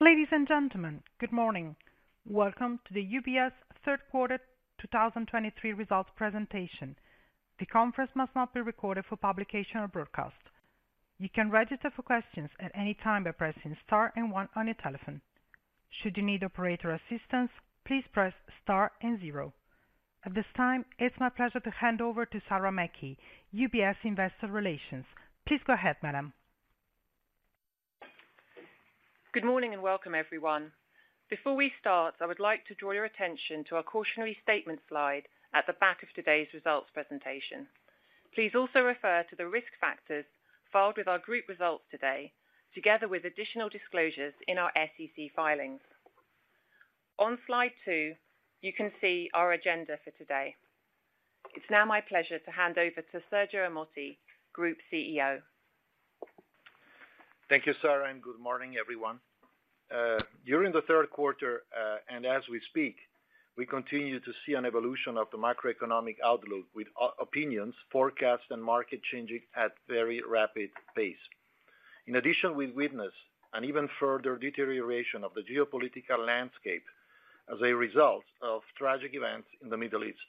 Ladies and gentlemen, good morning. Welcome to the UBS third quarter 2023 results presentation. The conference must not be recorded for publication or broadcast. You can register for questions at any time by pressing star and one on your telephone. Should you need operator assistance, please press star and zero. At this time, it's my pleasure to hand over to Sarah Mackey, UBS Investor Relations. Please go ahead, madam. Good morning, and welcome, everyone. Before we start, I would like to draw your attention to our cautionary statement slide at the back of today's results presentation. Please also refer to the risk factors filed with our group results today, together with additional disclosures in our SEC filings. On slide two, you can see our agenda for today. It's now my pleasure to hand over to Sergio Ermotti, Group CEO. Thank you, Sarah, and good morning, everyone. During the third quarter, and as we speak, we continue to see an evolution of the macroeconomic outlook, with opinions, forecasts, and market changing at very rapid pace. In addition, we witness an even further deterioration of the geopolitical landscape as a result of tragic events in the Middle East.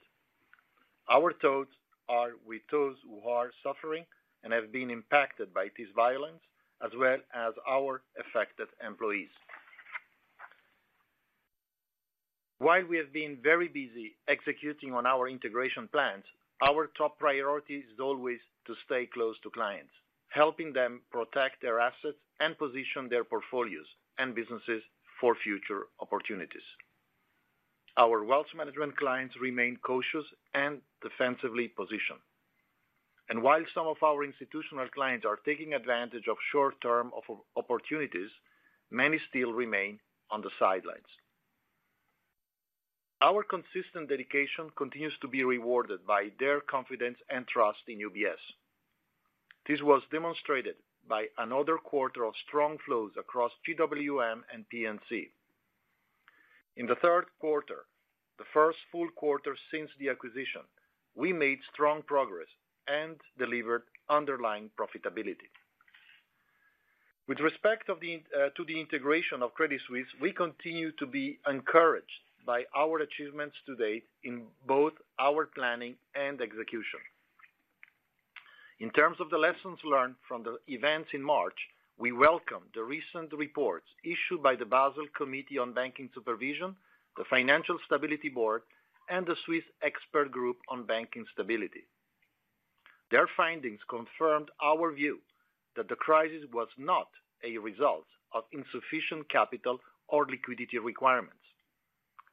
Our thoughts are with those who are suffering and have been impacted by this violence, as well as our affected employees. While we have been very busy executing on our integration plans, our top priority is always to stay close to clients, helping them protect their assets and position their portfolios and businesses for future opportunities. Our Wealth Management clients remain cautious and defensively positioned. And while some of our institutional clients are taking advantage of short-term opportunities, many still remain on the sidelines. Our consistent dedication continues to be rewarded by their confidence and trust in UBS. This was demonstrated by another quarter of strong flows across GWM and P&C. In the third quarter, the first full quarter since the acquisition, we made strong progress and delivered underlying profitability. With respect to the integration of Credit Suisse, we continue to be encouraged by our achievements to date in both our planning and execution. In terms of the lessons learned from the events in March, we welcome the recent reports issued by the Basel Committee on Banking Supervision, the Financial Stability Board, and the Swiss Expert Group on Banking Stability. Their findings confirmed our view that the crisis was not a result of insufficient capital or liquidity requirements.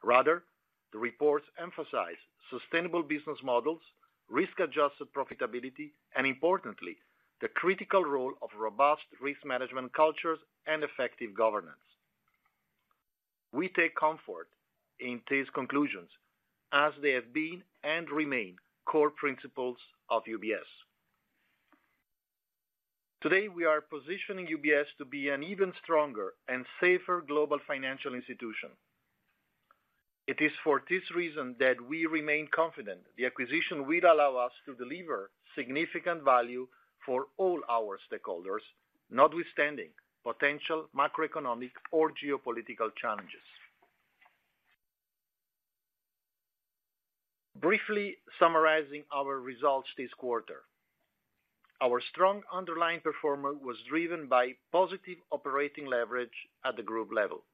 Rather, the reports emphasize sustainable business models, risk-adjusted profitability, and importantly, the critical role of robust risk management cultures and effective governance. We take comfort in these conclusions as they have been and remain core principles of UBS. Today, we are positioning UBS to be an even stronger and safer global financial institution. It is for this reason that we remain confident the acquisition will allow us to deliver significant value for all our stakeholders, notwithstanding potential macroeconomic or geopolitical challenges. Briefly summarizing our results this quarter, our strong underlying performance was driven by positive operating leverage at the Group level.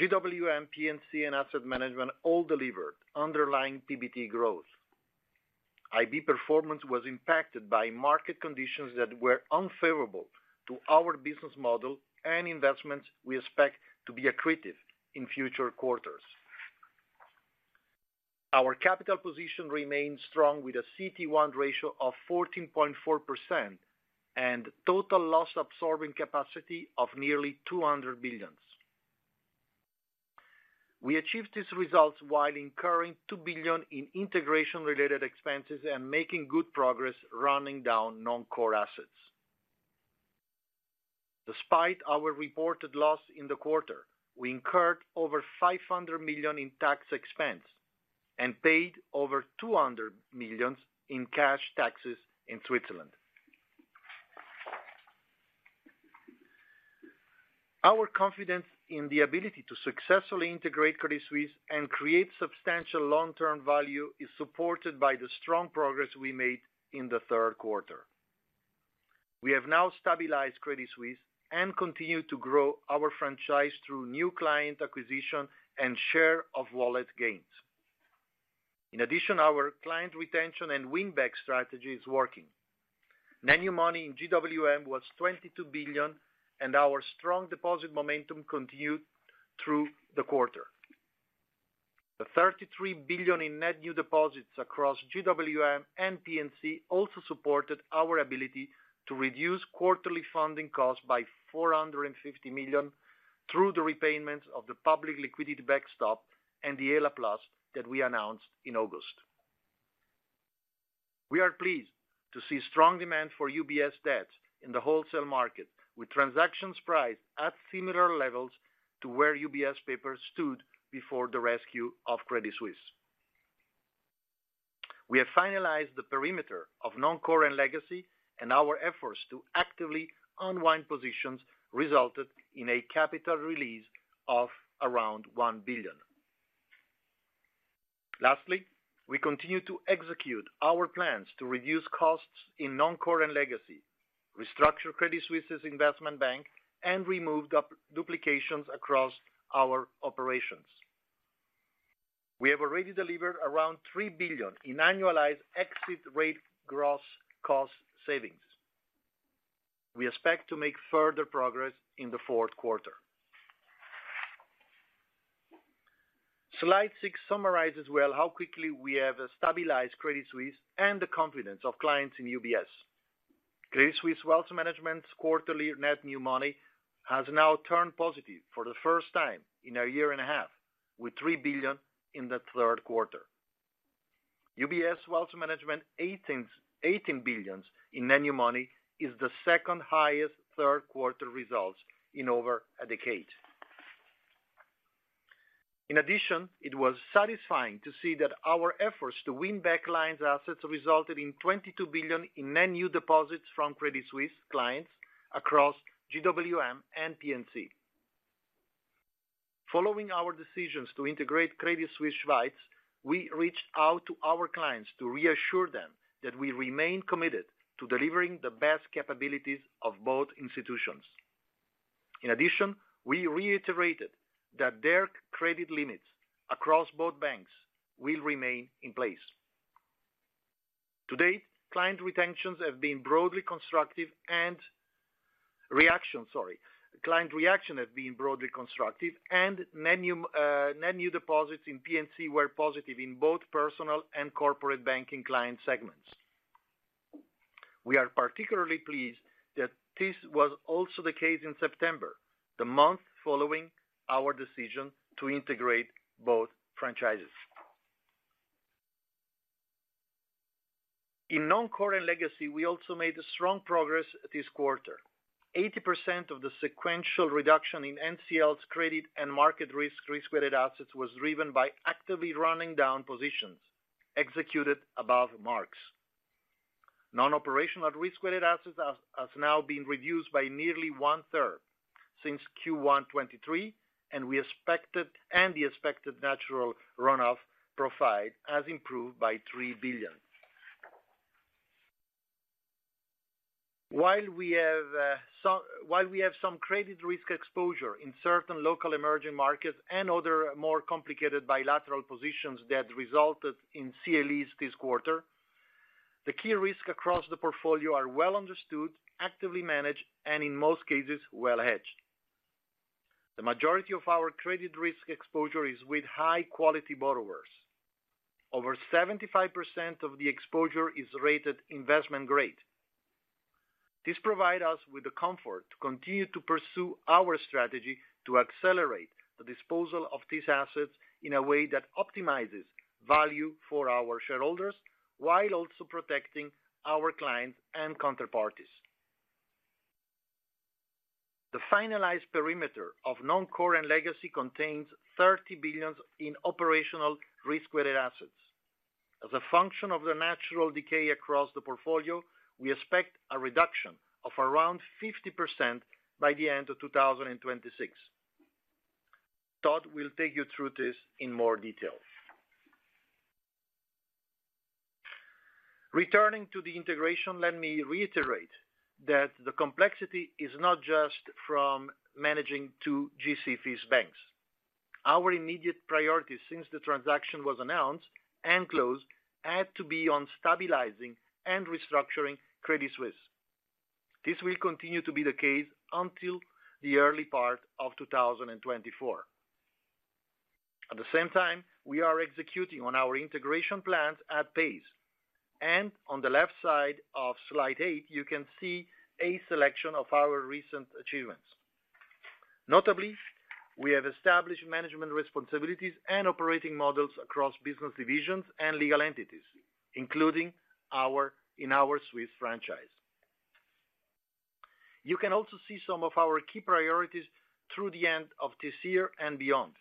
GWM, P&C, and Asset Management all delivered underlying PBT growth. IB performance was impacted by market conditions that were unfavorable to our business model and investments we expect to be accretive in future quarters. Our capital position remains strong, with a CET1 ratio of 14.4% and total loss-absorbing capacity of nearly $200 billion. We achieved these results while incurring $2 billion in integration-related expenses and making good progress running down non-core assets. Despite our reported loss in the quarter, we incurred over $500 million in tax expense and paid over $200 million in cash taxes in Switzerland. Our confidence in the ability to successfully integrate Credit Suisse and create substantial long-term value is supported by the strong progress we made in the third quarter. We have now stabilized Credit Suisse and continue to grow our franchise through new client acquisition and share of wallet gains. In addition, our client retention and win-back strategy is working. New money in GWM was $22 billion, and our strong deposit momentum continued through the quarter. The $33 billion in net new deposits across GWM and P&C also supported our ability to reduce quarterly funding costs by $450 million through the repayment of the public liquidity backstop and the ELA+ that we announced in August. We are pleased to see strong demand for UBS debt in the wholesale market, with transactions priced at similar levels to where UBS papers stood before the rescue of Credit Suisse. We have finalized the perimeter of Non-core and Legacy, and our efforts to actively unwind positions resulted in a capital release of around $1 billion. Lastly, we continue to execute our plans to reduce costs in Non-core and Legacy, restructure Credit Suisse' Investment Bank, and remove duplications across our operations. We have already delivered around $3 billion in annualized exit rate gross cost savings. We expect to make further progress in the fourth quarter. Slide six summarizes well how quickly we have stabilized Credit Suisse and the confidence of clients in UBS. Credit Suisse Wealth Management's quarterly net new money has now turned positive for the first time in a year and a half, with $3 billion in the third quarter. UBS Wealth Management $18 billion in net new money is the second-highest third quarter results in over a decade. In addition, it was satisfying to see that our efforts to win back clients' assets resulted in $22 billion in net new deposits from Credit Suisse clients across GWM and P&C. Following our decisions to integrate Credit Suisse (Schweiz), we reached out to our clients to reassure them that we remain committed to delivering the best capabilities of both institutions. In addition, we reiterated that their credit limits across both banks will remain in place. To date, client retentions have been broadly constructive and reaction, sorry. Client reaction has been broadly constructive and net new, net new deposits in P&C were positive in both Personal and Corporate Banking client segments. We are particularly pleased that this was also the case in September, the month following our decision to integrate both franchises. In Non-core and Legacy, we also made a strong progress this quarter. 80% of the sequential reduction in NCL's credit and market risk, risk-weighted assets, was driven by actively running down positions, executed above marks. Non-operational risk-weighted assets has now been reduced by nearly 1/3 since Q1 2023, and the expected natural runoff profile has improved by $3 billion. While we have some credit risk exposure in certain local emerging markets and other more complicated bilateral positions that resulted in CLEs this quarter, the key risks across the portfolio are well understood, actively managed, and in most cases, well hedged. The majority of our credit risk exposure is with high-quality borrowers. Over 75% of the exposure is rated investment grade. This provides us with the comfort to continue to pursue our strategy to accelerate the disposal of these assets in a way that optimizes value for our shareholders, while also protecting our clients and counterparties. The finalized perimeter of Non-Core and Legacy contains $30 billion in operational risk-weighted assets. As a function of the natural decay across the portfolio, we expect a reduction of around 50% by the end of 2026. Todd will take you through this in more detail. Returning to the integration, let me reiterate that the complexity is not just from managing two G-SIBs banks. Our immediate priority since the transaction was announced and closed, had to be on stabilizing and restructuring Credit Suisse. This will continue to be the case until the early part of 2024. At the same time, we are executing on our integration plans at pace, and on the left side of slide eight, you can see a selection of our recent achievements. Notably, we have established management responsibilities and operating models across business divisions and legal entities, including in our Swiss franchise. You can also see some of our key priorities through the end of this year and beyond.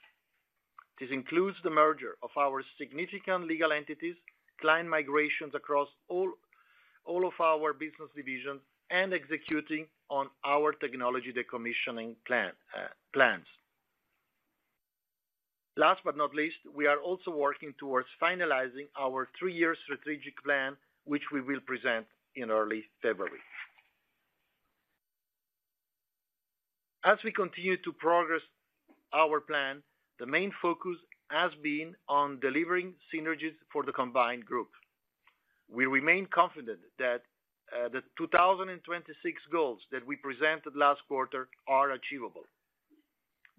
This includes the merger of our significant legal entities, client migrations across all of our business divisions, and executing on our technology decommissioning plan, plans. Last but not least, we are also working towards finalizing our three-year strategic plan, which we will present in early February. As we continue to progress our plan, the main focus has been on delivering synergies for the combined group. We remain confident that the 2026 goals that we presented last quarter are achievable,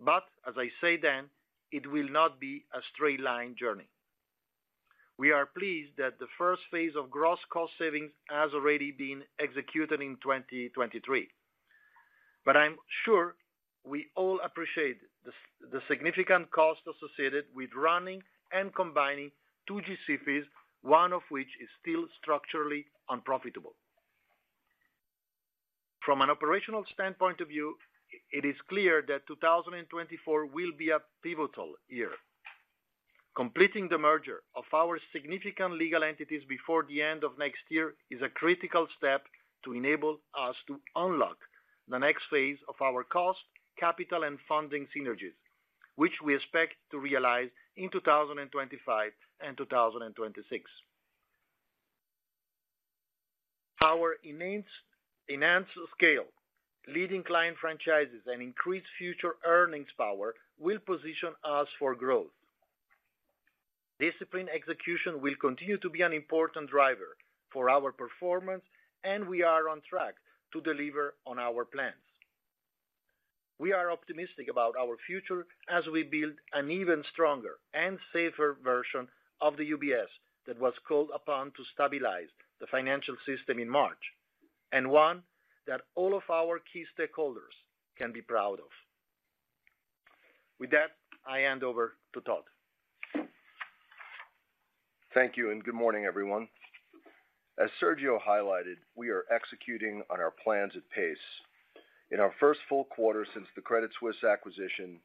but as I said then, it will not be a straight line journey. We are pleased that the first phase of gross cost savings has already been executed in 2023, but I'm sure we all appreciate the significant cost associated with running and combining two G-SIBs, one of which is still structurally unprofitable. From an operational standpoint of view, it is clear that 2024 will be a pivotal year. Completing the merger of our significant legal entities before the end of next year is a critical step to enable us to unlock the next phase of our cost, capital, and funding synergies, which we expect to realize in 2025 and 2026. Our enhanced, enhanced scale, leading client franchises, and increased future earnings power will position us for growth. Disciplined execution will continue to be an important driver for our performance, and we are on track to deliver on our plans. We are optimistic about our future as we build an even stronger and safer version of the UBS that was called upon to stabilize the financial system in March, and one that all of our key stakeholders can be proud of. With that, I hand over to Todd. Thank you, and good morning, everyone. As Sergio highlighted, we are executing on our plans at pace. In our first full quarter since the Credit Suisse acquisition,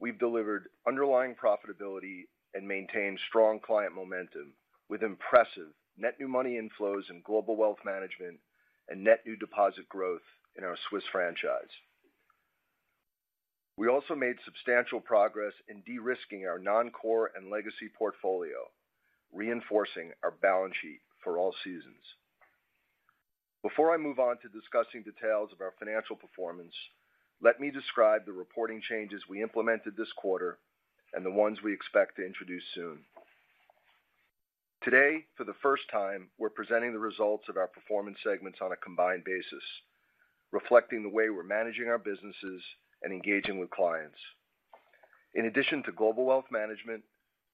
we've delivered underlying profitability and maintained strong client momentum with impressive net new money inflows in Global Wealth Management and net new deposit growth in our Swiss franchise. We also made substantial progress in de-risking our Non-core and Legacy portfolio, reinforcing our balance sheet for all seasons. Before I move on to discussing details of our financial performance, let me describe the reporting changes we implemented this quarter and the ones we expect to introduce soon. Today, for the first time, we're presenting the results of our performance segments on a combined basis, reflecting the way we're managing our businesses and engaging with clients. In addition to Global Wealth Management,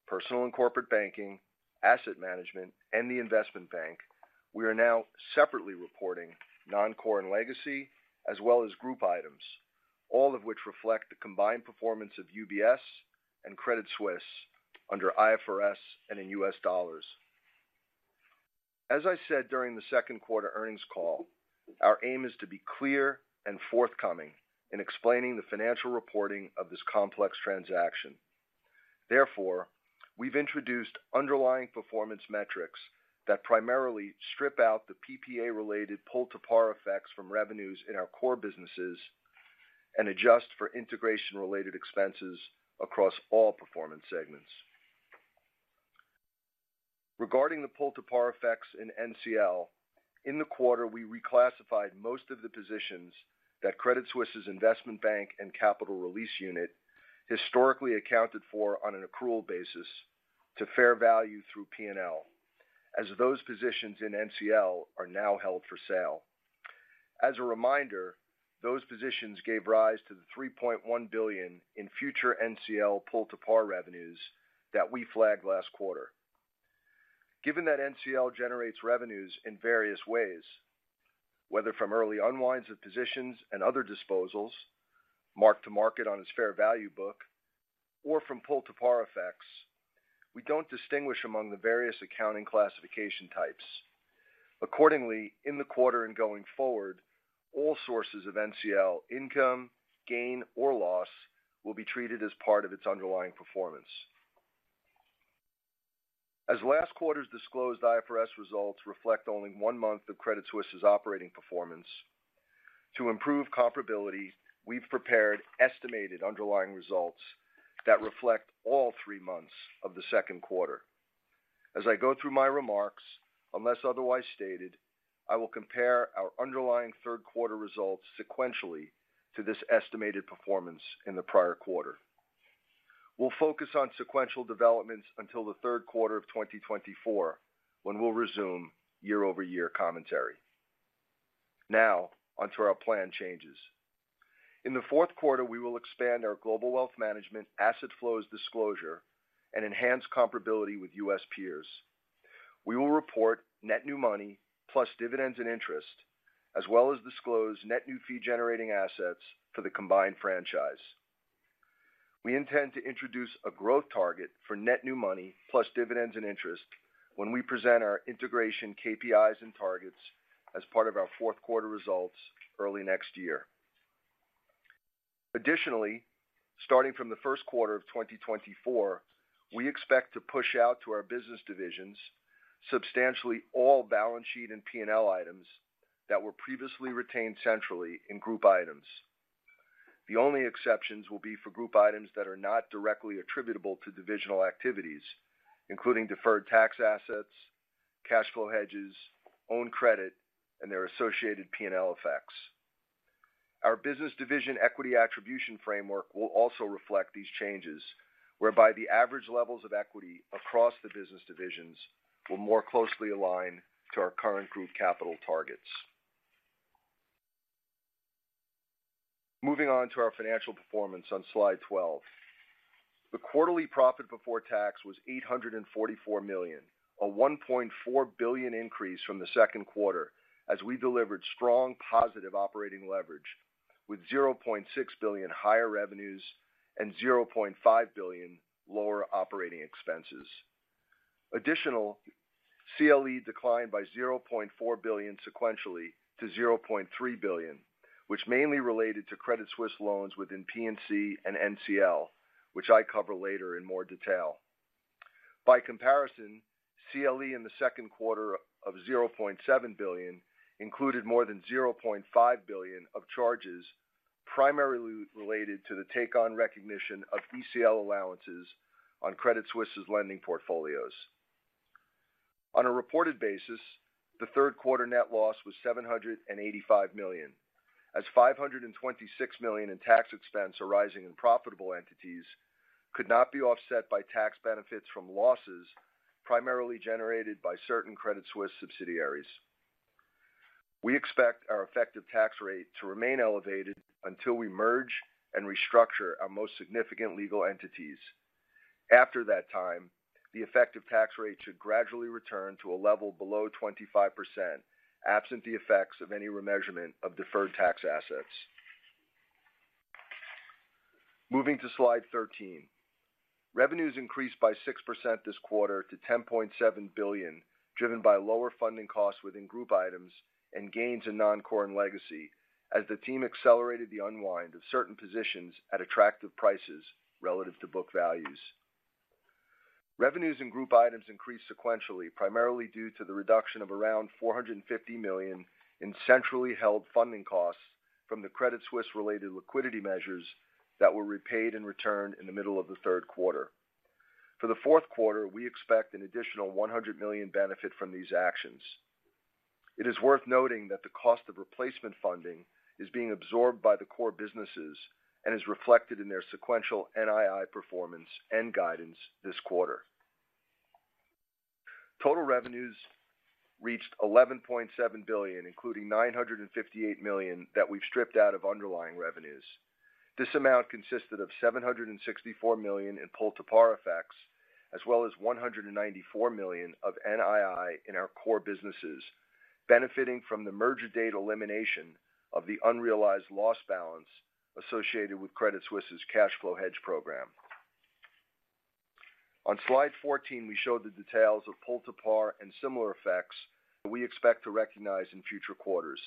Personal and Corporate Banking, Asset Management, and the Investment Bank, we are now separately reporting Non-Core and Legacy, as well as Group items, all of which reflect the combined performance of UBS and Credit Suisse under IFRS and in U.S. dollars. As I said during the second quarter earnings call, our aim is to be clear and forthcoming in explaining the financial reporting of this complex transaction. Therefore, we've introduced underlying performance metrics that primarily strip out the PPA-related pull-to-par effects from revenues in our core businesses and adjust for integration-related expenses across all performance segments. Regarding the pull-to-par effects in NCL, in the quarter, we reclassified most of the positions that Credit Suisse' Investment Bank and capital release unit historically accounted for on an accrual basis to fair value through P&L, as those positions in NCL are now held for sale. As a reminder, those positions gave rise to the $3.1 billion in future NCL pull-to-par revenues that we flagged last quarter. Given that NCL generates revenues in various ways, whether from early unwinds of positions and other disposals, mark-to-market on its fair value book, or from pull-to-par effects, we don't distinguish among the various accounting classification types. Accordingly, in the quarter and going forward, all sources of NCL income, gain, or loss will be treated as part of its underlying performance. As last quarter's disclosed IFRS results reflect only one month of Credit Suisse' operating performance, to improve comparability, we've prepared estimated underlying results that reflect all three months of the second quarter. As I go through my remarks, unless otherwise stated, I will compare our underlying third quarter results sequentially to this estimated performance in the prior quarter. We'll focus on sequential developments until the third quarter of 2024, when we'll resume year-over-year commentary. Now, onto our plan changes. In the fourth quarter, we will expand our Global Wealth Management asset flows disclosure and enhance comparability with U.S. peers. We will report net new money, plus dividends and interest, as well as disclose net new fee-generating assets for the combined franchise. We intend to introduce a growth target for net new money, plus dividends and interest, when we present our integration KPIs and targets as part of our fourth quarter results early next year. Additionally, starting from the first quarter of 2024, we expect to push out to our business divisions substantially all balance sheet and P&L items that were previously retained centrally in Group items. The only exceptions will be for Group items that are not directly attributable to divisional activities, including deferred tax assets, cash flow hedges, own credit, and their associated P&L effects. Our business division equity attribution framework will also reflect these changes, whereby the average levels of equity across the business divisions will more closely align to our current group capital targets. Moving on to our financial performance on slide 12. The quarterly profit before tax was $844 million, a $1.4 billion increase from the second quarter, as we delivered strong, positive operating leverage, with $0.6 billion higher revenues and $0.5 billion lower operating expenses. Additional CLE declined by $0.4 billion sequentially to $0.3 billion, which mainly related to Credit Suisse loans within P&C and NCL, which I cover later in more detail. By comparison, CLE in the second quarter of $0.7 billion included more than $0.5 billion of charges, primarily related to the take-on recognition of ECL allowances on Credit Suisse' lending portfolios. On a reported basis, the third quarter net loss was $785 million, as $526 million in tax expense arising in profitable entities could not be offset by tax benefits from losses, primarily generated by certain Credit Suisse subsidiaries. We expect our effective tax rate to remain elevated until we merge and restructure our most significant legal entities. After that time, the effective tax rate should gradually return to a level below 25%, absent the effects of any remeasurement of deferred tax assets. Moving to Slide 13. Revenues increased by 6% this quarter to $10.7 billion, driven by lower funding costs within Group items and gains in Non-Core and Legacy, as the team accelerated the unwind of certain positions at attractive prices relative to book values. Revenues in Group items increased sequentially, primarily due to the reduction of around $450 million in centrally held funding costs from the Credit Suisse-related liquidity measures that were repaid and returned in the middle of the third quarter. For the fourth quarter, we expect an additional $100 million benefit from these actions. It is worth noting that the cost of replacement funding is being absorbed by the core businesses and is reflected in their sequential NII performance and guidance this quarter. Total revenues reached $11.7 billion, including $958 million that we've stripped out of underlying revenues. This amount consisted of $764 million in pull-to-par effects, as well as $194 million of NII in our core businesses, benefiting from the merger date elimination of the unrealized loss balance associated with Credit Suisse' cash flow hedge program. On Slide 14, we show the details of pull-to-par and similar effects that we expect to recognize in future quarters.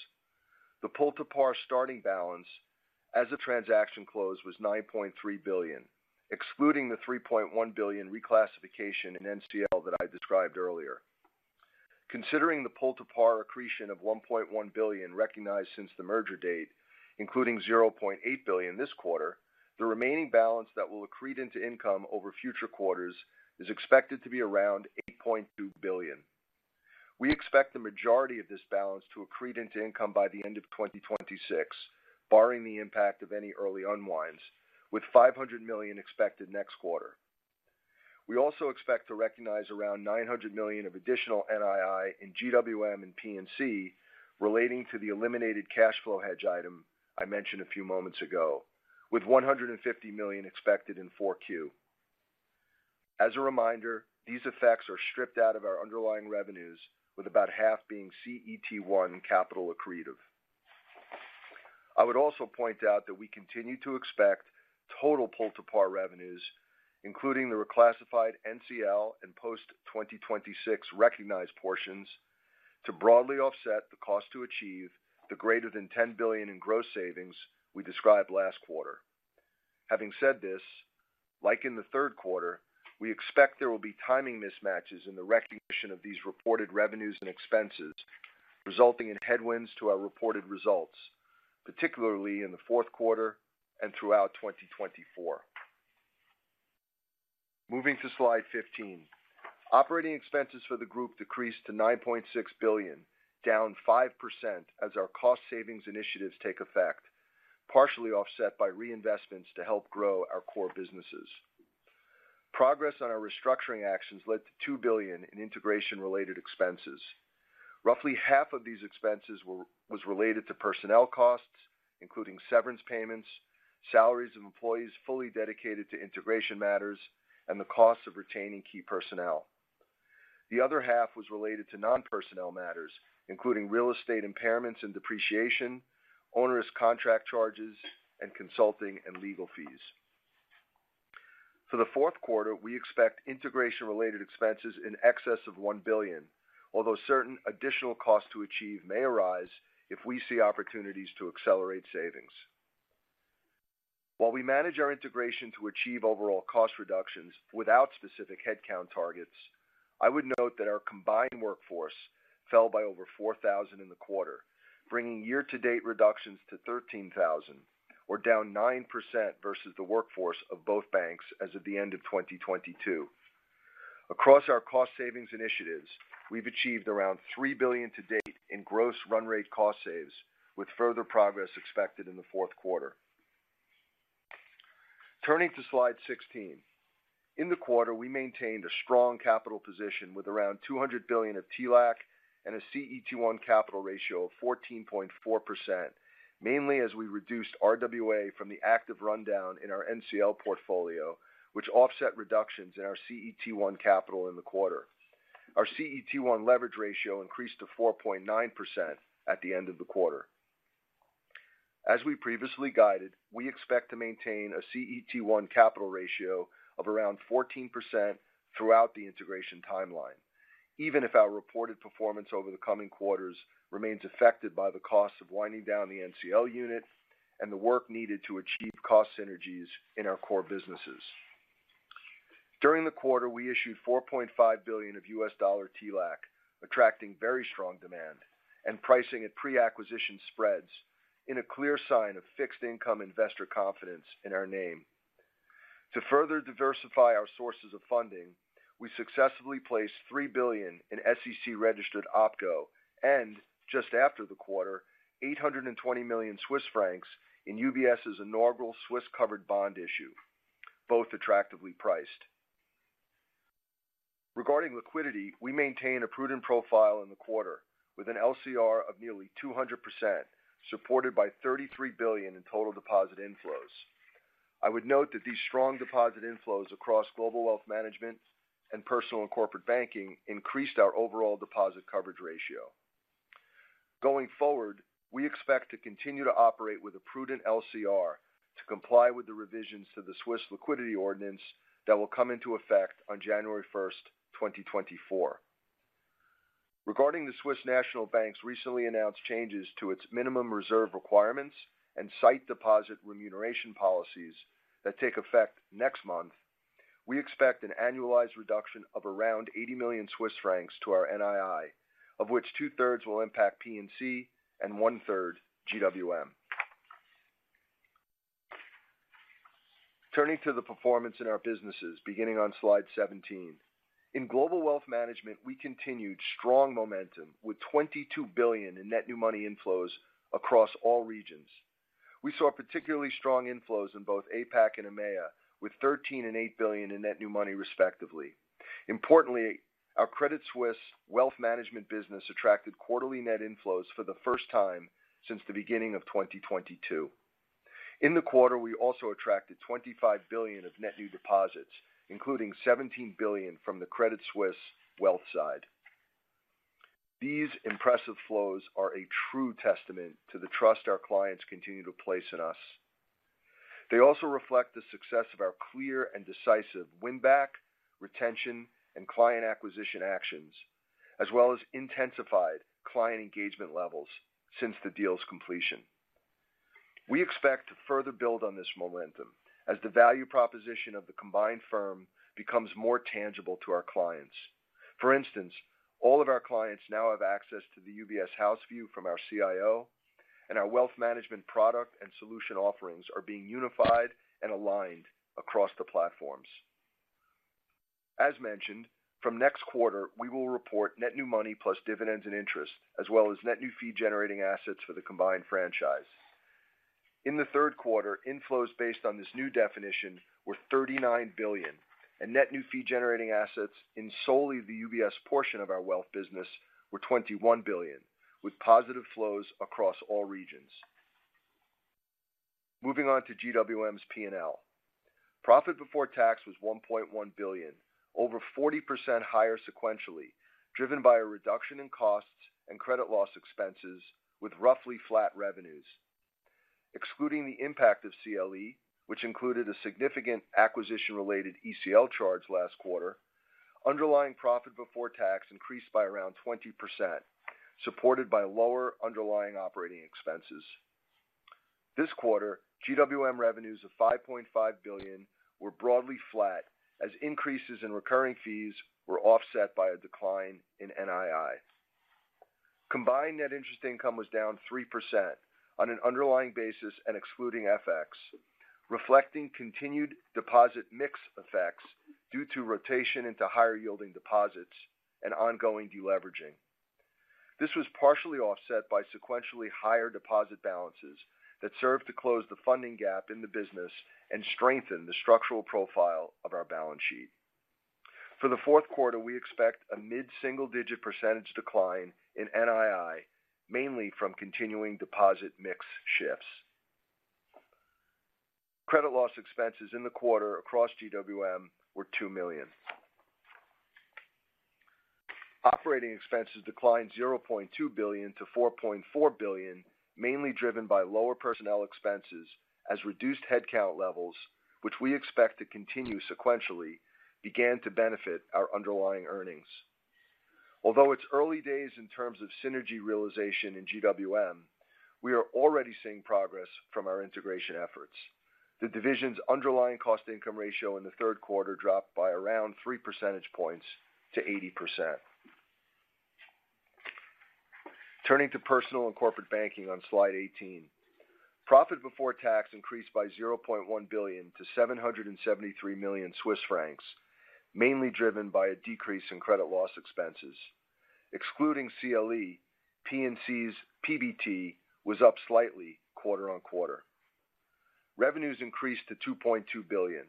The pull-to-par starting balance as the transaction closed was $9.3 billion, excluding the $3.1 billion reclassification in NCL that I described earlier. Considering the pull-to-par accretion of $1.1 billion recognized since the merger date, including $0.8 billion this quarter, the remaining balance that will accrete into income over future quarters is expected to be around $8.2 billion. We expect the majority of this balance to accrete into income by the end of 2026, barring the impact of any early unwinds, with $500 million expected next quarter. We also expect to recognize around $900 million of additional NII in GWM and P&C relating to the eliminated cash flow hedge item I mentioned a few moments ago, with $150 million expected in 4Q. As a reminder, these effects are stripped out of our underlying revenues, with about half being CET1 capital accretive. I would also point out that we continue to expect total Pull-to-Par revenues, including the reclassified NCL and post-2026 recognized portions, to broadly offset the cost to achieve the greater than $10 billion in gross savings we described last quarter. Having said this, like in the third quarter, we expect there will be timing mismatches in the recognition of these reported revenues and expenses, resulting in headwinds to our reported results, particularly in the fourth quarter and throughout 2024. Moving to Slide 15. Operating expenses for the Group decreased to $9.6 billion, down 5% as our cost savings initiatives take effect, partially offset by reinvestments to help grow our core businesses. Progress on our restructuring actions led to $2 billion in integration-related expenses. Roughly half of these expenses was related to personnel costs, including severance payments, salaries of employees fully dedicated to integration matters, and the costs of retaining key personnel. The other half was related to non-personnel matters, including real estate impairments and depreciation, onerous contract charges, and consulting and legal fees. For the fourth quarter, we expect integration-related expenses in excess of $1 billion, although certain additional costs to achieve may arise if we see opportunities to accelerate savings. While we manage our integration to achieve overall cost reductions without specific headcount targets, I would note that our combined workforce fell by over 4,000 in the quarter, bringing year-to-date reductions to 13,000, or down 9% versus the workforce of both banks as of the end of 2022. Across our cost savings initiatives, we've achieved around $3 billion to date in gross run rate cost saves, with further progress expected in the fourth quarter. Turning to Slide 16. In the quarter, we maintained a strong capital position with around $200 billion of TLAC and a CET1 capital ratio of 14.4%, mainly as we reduced RWA from the active rundown in our NCL portfolio, which offset reductions in our CET1 capital in the quarter. Our CET1 leverage ratio increased to 4.9% at the end of the quarter. As we previously guided, we expect to maintain a CET1 capital ratio of around 14% throughout the integration timeline, even if our reported performance over the coming quarters remains affected by the costs of winding down the NCL unit and the work needed to achieve cost synergies in our core businesses. During the quarter, we issued $4.5 billion of U.S. dollar TLAC, attracting very strong demand and pricing at pre-acquisition spreads in a clear sign of fixed income investor confidence in our name. To further diversify our sources of funding, we successfully placed $3 billion in SEC-registered OpCo and, just after the quarter, 820 million (Swiss Franc) in UBS's inaugural Swiss covered bond issue, both attractively priced. Regarding liquidity, we maintain a prudent profile in the quarter with an LCR of nearly 200%, supported by $33 billion in total deposit inflows. I would note that these strong deposit inflows Global Wealth Management and Personal and Corporate Banking increased our overall deposit coverage ratio. Going forward, we expect to continue to operate with a prudent LCR to comply with the revisions to the Swiss Liquidity Ordinance that will come into effect on January 1, 2024. Regarding the Swiss National Bank's recently announced changes to its minimum reserve requirements and sight deposit remuneration policies that take effect next month, we expect an annualized reduction of around 80 million (Swiss Franc) to our NII, of which 2/3 will impact P&C and 1/3 GWM. Turning to the performance in our businesses, beginning on slide 17. Global Wealth Management, we continued strong momentum, with $22 billion in net new money inflows across all regions. We saw particularly strong inflows in both APAC and EMEA, with $13 billion and $8 billion in net new money, respectively. Importantly, our Credit Suisse Wealth Management business attracted quarterly net inflows for the first time since the beginning of 2022. In the quarter, we also attracted $25 billion of net new deposits, including $17 billion from the Credit Suisse Wealth side. These impressive flows are a true testament to the trust our clients continue to place in us. They also reflect the success of our clear and decisive win-back, retention, and client acquisition actions, as well as intensified client engagement levels since the deal's completion. We expect to further build on this momentum as the value proposition of the combined firm becomes more tangible to our clients. For instance, all of our clients now have access to the UBS House View from our CIO, and our Wealth Management product and solution offerings are being unified and aligned across the platforms. As mentioned, from next quarter, we will report net new money plus dividends and interest, as well as net new fee-generating assets for the combined franchise. In the third quarter, inflows based on this new definition were $39 billion, and net new fee-generating assets in solely the UBS portion of our wealth business were $21 billion, with positive flows across all regions. Moving on to GWM's P&L. Profit before tax was $1.1 billion, over 40% higher sequentially, driven by a reduction in costs and credit loss expenses with roughly flat revenues. Excluding the impact of CLE, which included a significant acquisition-related ECL charge last quarter, underlying profit before tax increased by around 20%, supported by lower underlying operating expenses. This quarter, GWM revenues of $5.5 billion were broadly flat as increases in recurring fees were offset by a decline in NII. Combined net interest income was down 3% on an underlying basis and excluding FX, reflecting continued deposit mix effects due to rotation into higher-yielding deposits and ongoing deleveraging. This was partially offset by sequentially higher deposit balances that served to close the funding gap in the business and strengthen the structural profile of our balance sheet. For the fourth quarter, we expect a mid-single-digit % decline in NII, mainly from continuing deposit mix shifts. Credit loss expenses in the quarter across GWM were $2 million. Operating expenses declined $0.2 billion to $4.4 billion, mainly driven by lower personnel expenses, as reduced headcount levels, which we expect to continue sequentially, began to benefit our underlying earnings. Although it's early days in terms of synergy realization in GWM, we are already seeing progress from our integration efforts. The division's underlying cost income ratio in the third quarter dropped by around 3 percentage points to 80%. Turning to Personal and Corporate Banking on Slide 18. Profit before tax increased by 0.1 billion (Swiss Franc) to 773 million (Swiss Franc), mainly driven by a decrease in credit loss expenses. Excluding CLE, P&C's PBT was up slightly quarter-on-quarter. Revenues increased to $2.2 billion.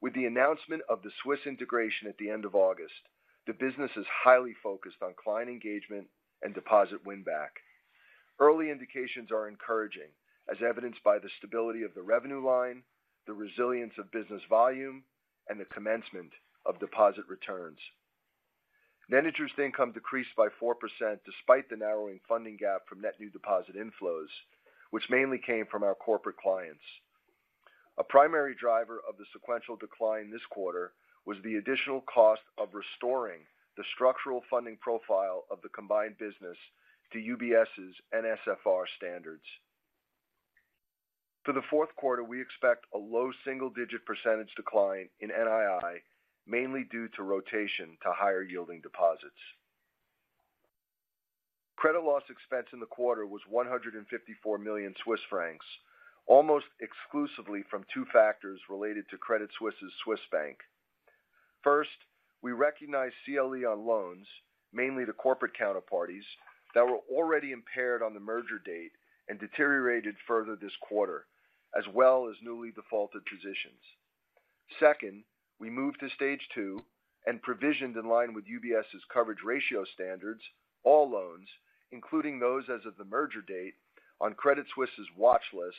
With the announcement of the Swiss integration at the end of August, the business is highly focused on client engagement and deposit win-back. Early indications are encouraging, as evidenced by the stability of the revenue line, the resilience of business volume, and the commencement of deposit returns. Net interest income decreased by 4% despite the narrowing funding gap from net new deposit inflows, which mainly came from our corporate clients. A primary driver of the sequential decline this quarter was the additional cost of restoring the structural funding profile of the combined business to UBS's NSFR standards. For the fourth quarter, we expect a low single-digit percentage decline in NII, mainly due to rotation to higher-yielding deposits. Credit loss expense in the quarter was 154 million (Swiss Franc), almost exclusively from two factors related to Credit Suisse' Swiss Bank. First, we recognized CLE on loans, mainly to corporate counterparties, that were already impaired on the merger date and deteriorated further this quarter, as well as newly defaulted positions. Second, we moved to stage two and provisioned in line with UBS's coverage ratio standards, all loans, including those as of the merger date, on Credit Suisse' watch list,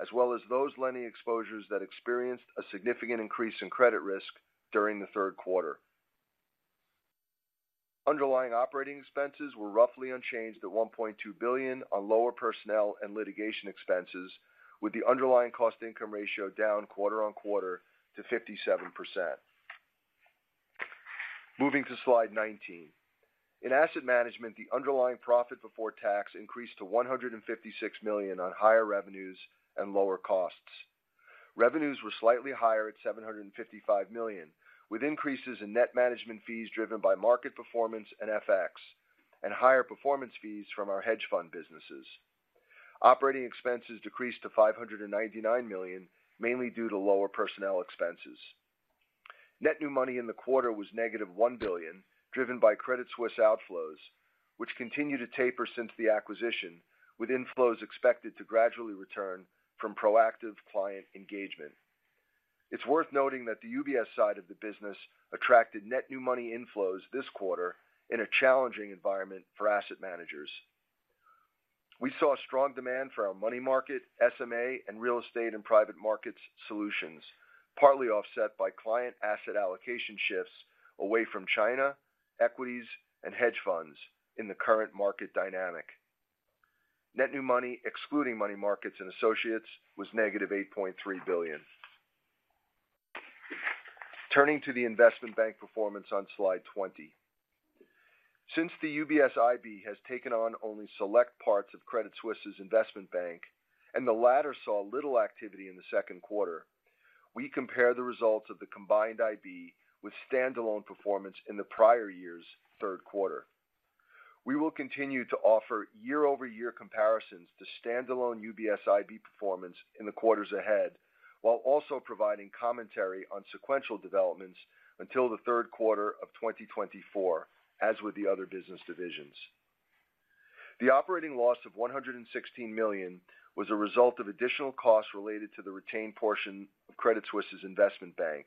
as well as those lending exposures that experienced a significant increase in credit risk during the third quarter. Underlying operating expenses were roughly unchanged at $1.2 billion on lower personnel and litigation expenses, with the underlying cost-income ratio down quarter-on-quarter to 57%. Moving to Slide 19. In Asset Management, the underlying profit before tax increased to $156 million on higher revenues and lower costs. Revenues were slightly higher at $755 million, with increases in net management fees driven by market performance and FX, and higher performance fees from our hedge fund businesses. Operating expenses decreased to $599 million, mainly due to lower personnel expenses. Net new money in the quarter was -$1 billion, driven by Credit Suisse outflows, which continue to taper since the acquisition, with inflows expected to gradually return from proactive client engagement. It's worth noting that the UBS side of the business attracted net new money inflows this quarter in a challenging environment for asset managers. We saw strong demand for our money market, SMA, and real estate and private markets solutions, partly offset by client asset allocation shifts away from China, equities, and hedge funds in the current market dynamic. Net new money, excluding money markets and associates, was negative $8.3 billion. Turning to the investment bank performance on Slide 20. Since the UBS IB has taken on only select parts of Credit Suisse' Investment Bank, and the latter saw little activity in the second quarter, we compare the results of the combined IB with standalone performance in the prior year's third quarter. We will continue to offer year-over-year comparisons to standalone UBS IB performance in the quarters ahead, while also providing commentary on sequential developments until the third quarter of 2024, as with the other business divisions. The operating loss of $116 million was a result of additional costs related to the retained portion of Credit Suisse' Investment Bank,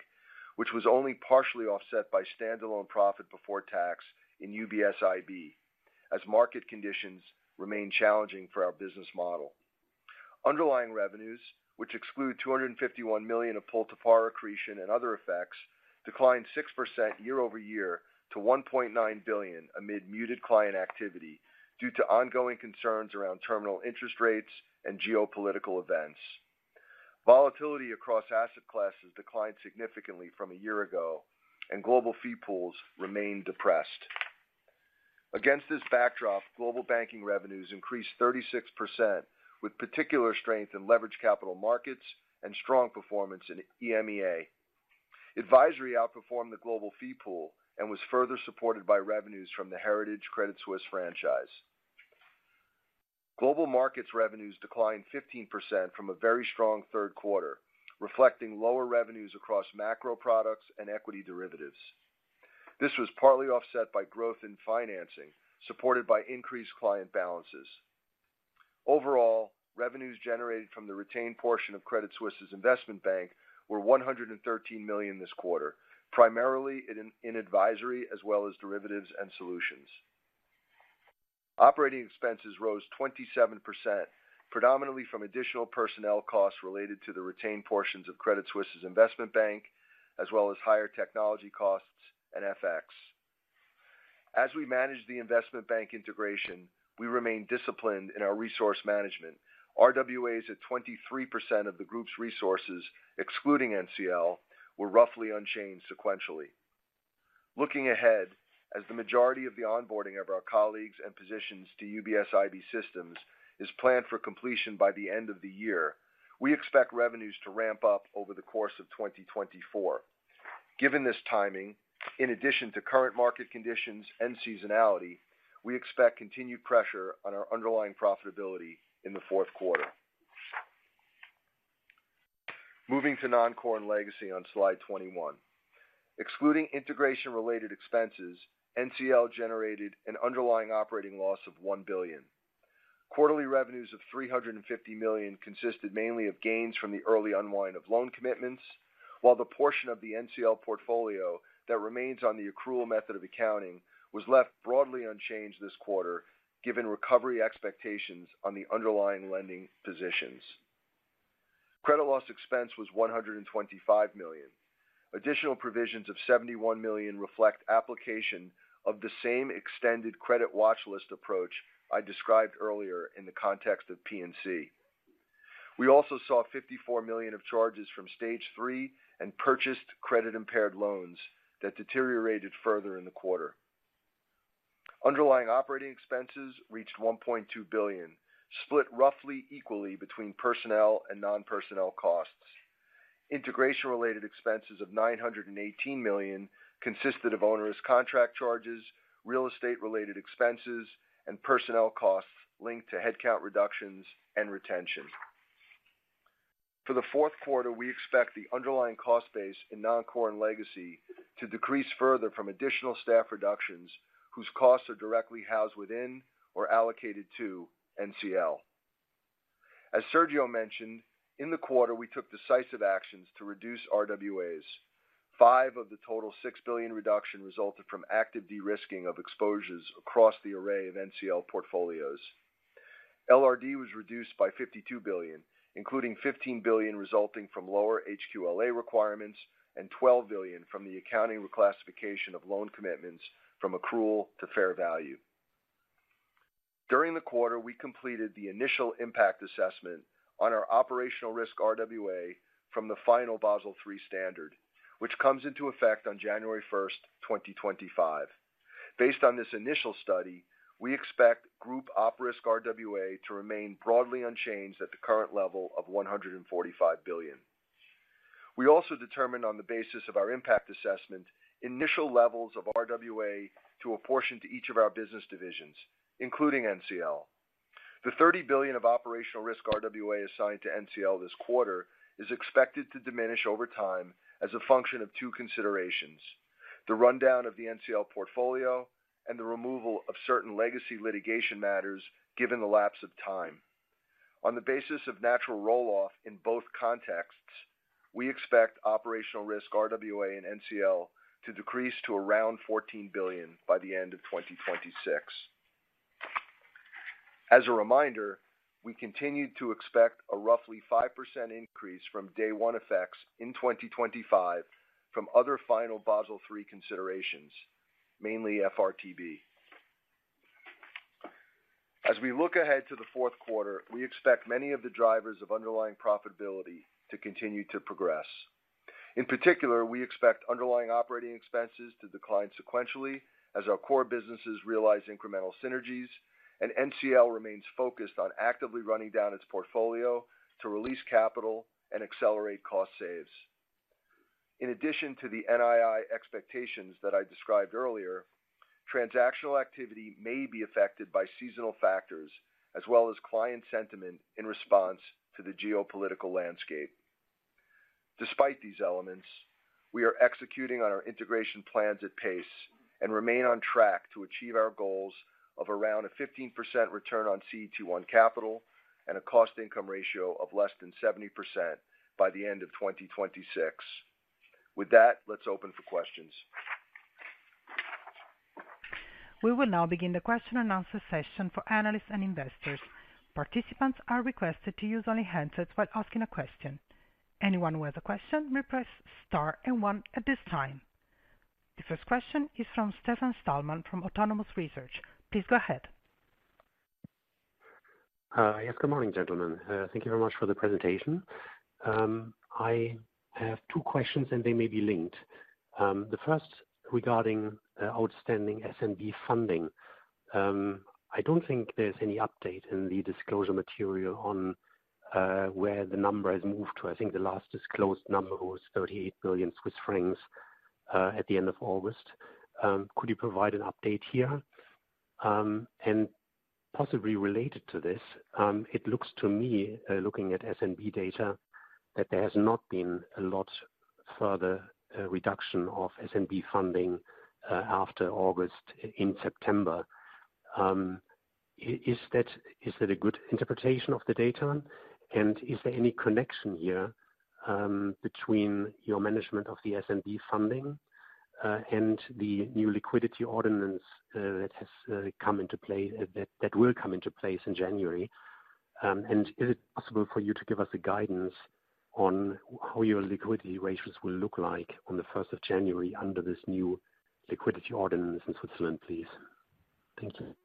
which was only partially offset by standalone profit before tax in UBS IB, as market conditions remain challenging for our business model. Underlying revenues, which exclude $251 million of pull-to-par accretion and other effects, declined 6% year-over-year to $1.9 billion amid muted client activity due to ongoing concerns around terminal interest rates and geopolitical events. Volatility across asset classes declined significantly from a year ago, and global fee pools remain depressed. Against this backdrop, Global Banking revenues increased 36%, with particular strength in leveraged capital markets and strong performance in EMEA. Advisory outperformed the global fee pool and was further supported by revenues from the Heritage Credit Suisse franchise. Global Markets revenues declined 15% from a very strong third quarter, reflecting lower revenues across macro products and equity derivatives. This was partly offset by growth in financing, supported by increased client balances. Overall, revenues generated from the retained portion of Credit Suisse' Investment Bank were $113 million this quarter, primarily in advisory as well as derivatives and solutions. Operating expenses rose 27%, predominantly from additional personnel costs related to the retained portions of Credit Suisse' Investment Bank, as well as higher technology costs and FX. As we manage the investment bank integration, we remain disciplined in our resource management. RWAs at 23% of the Group's resources, excluding NCL, were roughly unchanged sequentially. Looking ahead, as the majority of the onboarding of our colleagues and positions to UBS IB systems is planned for completion by the end of the year, we expect revenues to ramp up over the course of 2024. Given this timing, in addition to current market conditions and seasonality, we expect continued pressure on our underlying profitability in the fourth quarter. Moving to Non-Core and Legacy on Slide 21. Excluding integration-related expenses, NCL generated an underlying operating loss of $1 billion. Quarterly revenues of $350 million consisted mainly of gains from the early unwind of loan commitments, while the portion of the NCL portfolio that remains on the accrual method of accounting was left broadly unchanged this quarter, given recovery expectations on the underlying lending positions. Credit loss expense was $125 million. Additional provisions of $71 million reflect application of the same extended credit watchlist approach I described earlier in the context of P&C. We also saw $54 million of charges from stage three and purchased credit-impaired loans that deteriorated further in the quarter. Underlying operating expenses reached $1.2 billion, split roughly equally between personnel and non-personnel costs. Integration-related expenses of $918 million consisted of onerous contract charges, real estate-related expenses, and personnel costs linked to headcount reductions and retention. For the fourth quarter, we expect the underlying cost base in Non-core and Legacy to decrease further from additional staff reductions, whose costs are directly housed within or allocated to NCL. As Sergio mentioned, in the quarter, we took decisive actions to reduce RWAs. Five of the total 6 billion reduction resulted from active de-risking of exposures across the array of NCL portfolios. LRD was reduced by $52 billion, including $15 billion resulting from lower HQLA requirements and $12 billion from the accounting reclassification of loan commitments from accrual to fair value. During the quarter, we completed the initial impact assessment on our operational risk RWA from the final Basel III standard, which comes into effect on January 1st, 2025. Based on this initial study, we expect group op risk RWA to remain broadly unchanged at the current level of $145 billion. We also determined, on the basis of our impact assessment, initial levels of RWA to apportion to each of our business divisions, including NCL. The $30 billion of operational risk RWA assigned to NCL this quarter is expected to diminish over time as a function of two considerations: the rundown of the NCL portfolio and the removal of certain legacy litigation matters, given the lapse of time. On the basis of natural roll-off in both contexts, we expect operational risk RWA and NCL to decrease to around 14 billion (Swiss Franc) by the end of 2026. As a reminder, we continued to expect a roughly 5% increase from day one effects in 2025 from other final Basel III considerations, mainly FRTB. As we look ahead to the fourth quarter, we expect many of the drivers of underlying profitability to continue to progress. In particular, we expect underlying operating expenses to decline sequentially as our core businesses realize incremental synergies, and NCL remains focused on actively running down its portfolio to release capital and accelerate cost saves. In addition to the NII expectations that I described earlier, transactional activity may be affected by seasonal factors as well as client sentiment in response to the geopolitical landscape. Despite these elements, we are executing on our integration plans at pace and remain on track to achieve our goals of around a 15% return on CET1 capital and a cost-income ratio of less than 70% by the end of 2026. With that, let's open for questions. We will now begin the question and answer session for analysts and investors. Participants are requested to use only handsets while asking a question. Anyone who has a question may press star and one at this time. The first question is from Stefan Stalmann from Autonomous Research. Please go ahead. Hi. Yes, good morning, gentlemen. Thank you very much for the presentation. I have two questions, and they may be linked. The first regarding outstanding SNB funding. I don't think there's any update in the disclosure material on where the number has moved to. I think the last disclosed number was 38 billion (Swiss Franc) at the end of August. Could you provide an update here? And possibly related to this, it looks to me, looking at SNB data, that there has not been a lot further reduction of SNB funding after August, in September. Is that a good interpretation of the data? Is there any connection here between your management of the SNB funding and the new Liquidity Ordinance that has come into play, that will come into place in January? Is it possible for you to give us a guidance on how your liquidity ratios will look like on the first of January under this new Liquidity Ordinance in Switzerland, please? Thank you.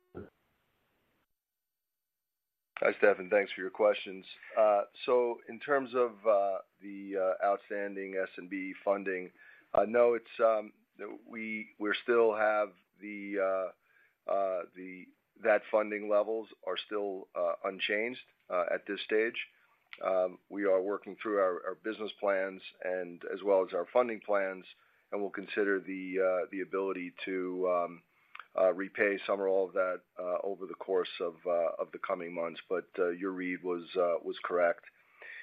Hi, Stefan. Thanks for your questions. So in terms of the outstanding SNB funding, no, it's we still have the funding levels are still unchanged at this stage. We are working through our business plans and as well as our funding plans, and we'll consider the ability to repay some or all of that over the course of the coming months. But your read was correct.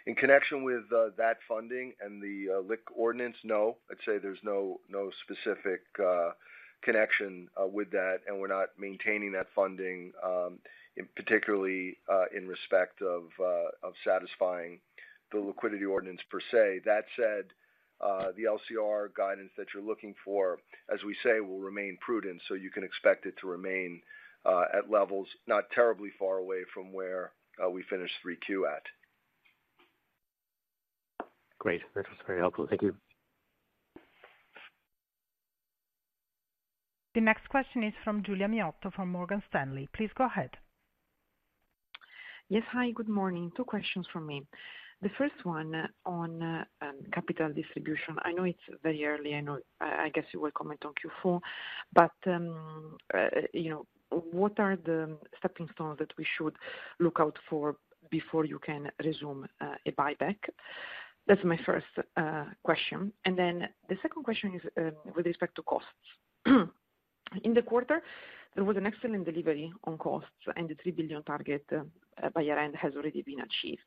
In connection with that funding and the LIQ ordinance, no. I'd say there's no specific connection with that, and we're not maintaining that funding in particularly in respect of satisfying the Liquidity Ordinance per se. That said, the LCR guidance that you're looking for, as we say, will remain prudent, so you can expect it to remain at levels not terribly far away from where we finished 3Q at. Great. That was very helpful. Thank you. The next question is from Giulia Miotto, from Morgan Stanley. Please go ahead. Yes. Hi, good morning. Two questions from me. The first one on capital distribution. I know it's very early. I know I guess you will comment on Q4, but you know, what are the stepping stones that we should look out for before you can resume a buyback? That's my first question. And then the second question is with respect to costs. In the quarter, there was an excellent delivery on costs, and the $3 billion target by year-end has already been achieved.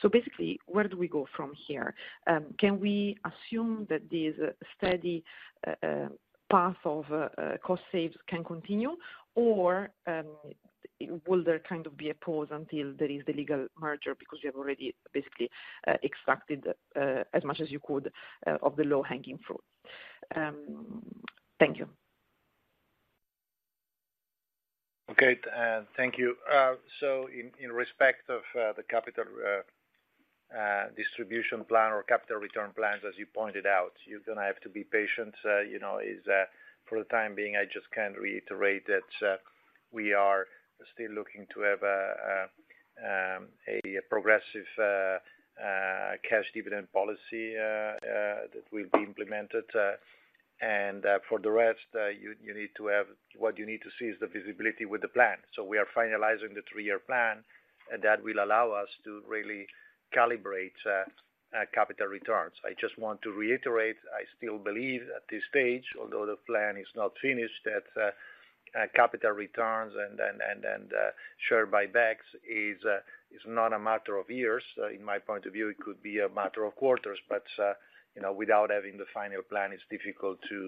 So basically, where do we go from here? Can we assume that this steady path of cost saves can continue, or will there kind of be a pause until there is the legal merger because you have already basically extracted as much as you could of the low-hanging fruit? Thank you. Okay, thank you. So in respect of the capital distribution plan or capital return plans, as you pointed out, you're gonna have to be patient. You know, for the time being, I just can reiterate that we are still looking to have a progressive cash dividend policy that will be implemented. For the rest, you need to have. What you need to see is the visibility with the plan. So we are finalizing the three-year plan, and that will allow us to really calibrate capital returns. I just want to reiterate, I still believe at this stage, although the plan is not finished, that capital returns and share buybacks is not a matter of years. In my point of view, it could be a matter of quarters, but you know, without having the final plan, it's difficult to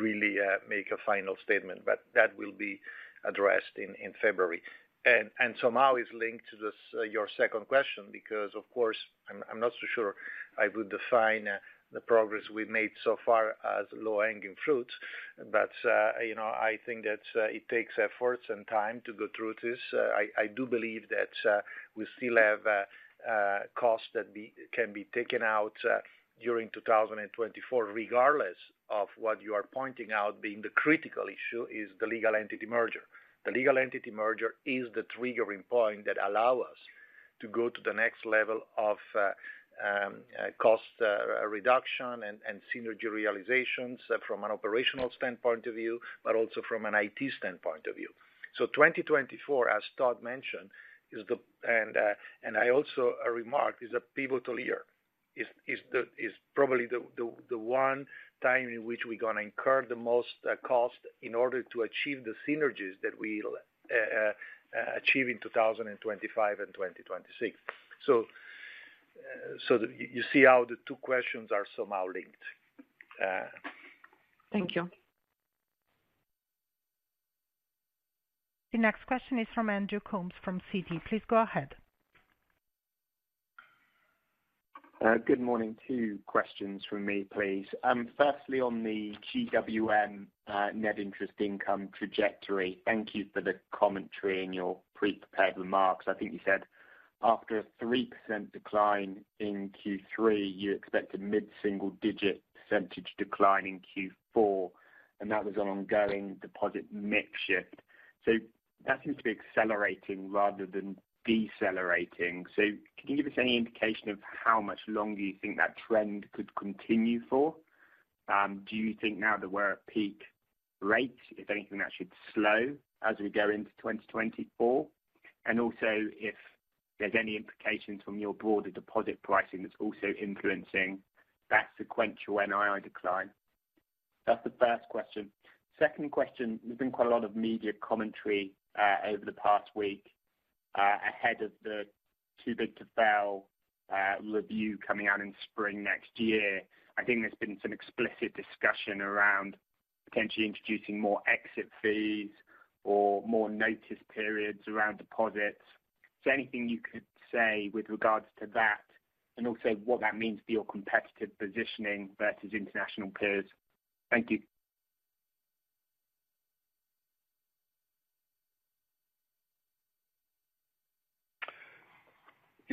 really make a final statement. But that will be addressed in February. And somehow it's linked to this your second question, because of course, I'm not so sure I would define the progress we've made so far as low-hanging fruits. But you know, I think that it takes efforts and time to go through this. I do believe that we still have costs that can be taken out during 2024, regardless of what you are pointing out, being the critical issue is the legal entity merger. The legal entity merger is the triggering point that allow us to go to the next level of cost reduction and synergy realizations from an operational standpoint of view, but also from an IT standpoint of view. So 2024, as Todd mentioned, is the... and I also remarked, is a pivotal year. Is probably the one time in which we're gonna incur the most cost in order to achieve the synergies that we'll achieve in 2025 and 2026. So you see how the two questions are somehow linked. Thank you. The next question is from Andrew Coombs, from Citi. Please go ahead. Good morning. Two questions from me, please. Firstly, on the GWM, net interest income trajectory. Thank you for the commentary in your pre-prepared remarks. I think you said after a 3% decline in Q3, you expect a mid-single-digit percentage decline in Q4, and that was an ongoing deposit mix shift. So that seems to be accelerating rather than decelerating. So can you give us any indication of how much longer you think that trend could continue for? Do you think now that we're at peak rates, if anything, that should slow as we go into 2024? And also, if there's any implications from your broader deposit pricing that's also influencing that sequential NII decline? That's the first question. Second question, there's been quite a lot of media commentary over the past week ahead of the too big to fail review coming out in spring next year. I think there's been some explicit discussion around potentially introducing more exit fees or more notice periods around deposits. So anything you could say with regards to that, and also what that means for your competitive positioning versus international peers? Thank you.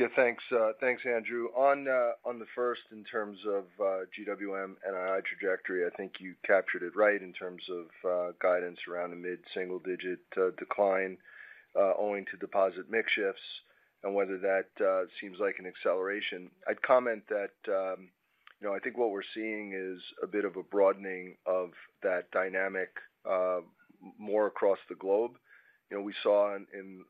Yeah, thanks. Thanks, Andrew. On the first, in terms of GWM NII trajectory, I think you captured it right in terms of guidance around a mid-single digit decline owing to deposit mix shifts and whether that seems like an acceleration. I'd comment that, you know, I think what we're seeing is a bit of a broadening of that dynamic, more across the globe. You know, we saw in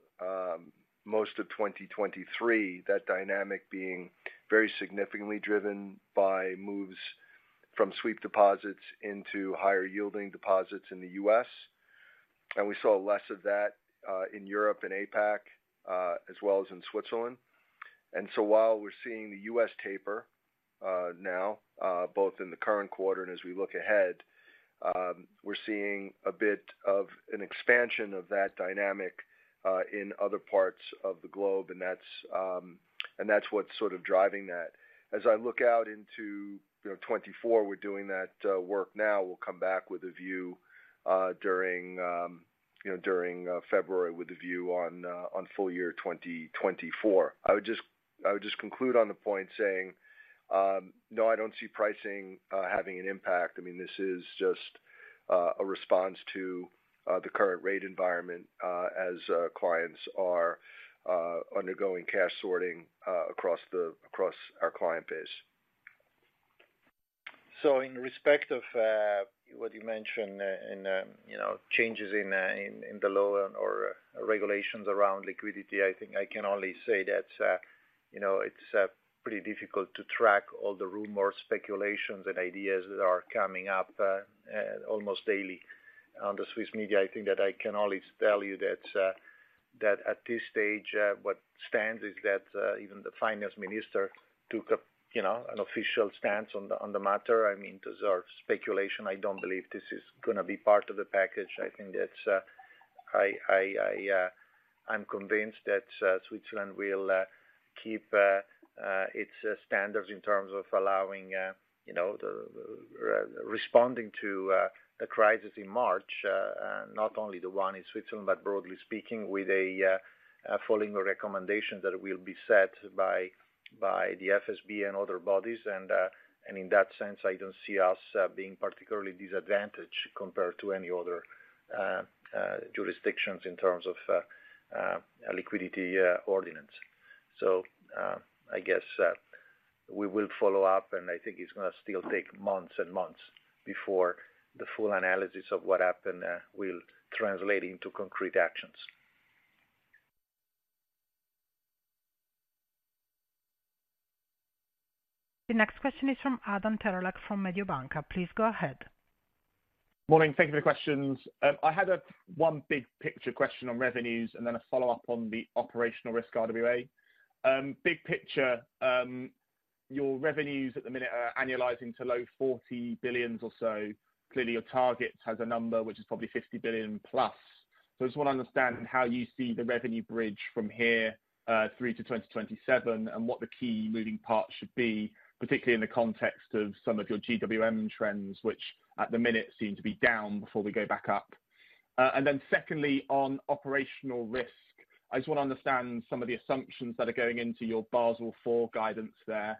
most of 2023, that dynamic being very significantly driven by moves from sweep deposits into higher-yielding deposits in the U.S. And we saw less of that in Europe and APAC, as well as in Switzerland. And so while we're seeing the U.S. taper now, both in the current quarter and as we look ahead, we're seeing a bit of an expansion of that dynamic. In other parts of the globe, and that's what's sort of driving that. As I look out into, you know, 2024, we're doing that work now. We'll come back with a view during, you know, February with a view on full year 2024. I would just conclude on the point saying, no, I don't see pricing having an impact. I mean, this is just a response to the current rate environment, as clients are undergoing cash sorting across our client base. So in respect of what you mentioned in, you know, changes in the law or regulations around liquidity, I think I can only say that, you know, it's pretty difficult to track all the rumor, speculations, and ideas that are coming up almost daily on the Swiss media. I think that I can always tell you that at this stage, what stands is that even the finance minister took a, you know, an official stance on the matter. I mean, those are speculation. I don't believe this is gonna be part of the package. I think that I'm convinced that Switzerland will keep its standards in terms of allowing, you know, the responding to a crisis in March, not only the one in Switzerland, but broadly speaking, with a following recommendation that will be set by the FSB and other bodies. And in that sense, I don't see us being particularly disadvantaged compared to any other jurisdictions in terms of a Liquidity Ordinance. So, I guess we will follow up, and I think it's gonna still take months and months before the full analysis of what happened will translate into concrete actions. The next question is from Adam Terelak from Mediobanca. Please go ahead. Morning. Thank you for the questions. I had a one big picture question on revenues and then a follow-up on the operational risk RWA. Big picture, your revenues at the minute are annualizing to low $40 billion or so. Clearly, your target has a number which is probably $50 billion+. So I just want to understand how you see the revenue bridge from here, through to 2027, and what the key moving parts should be, particularly in the context of some of your GWM trends, which at the minute seem to be down before we go back up. And then secondly, on operational risk, I just want to understand some of the assumptions that are going into your Basel IV guidance there.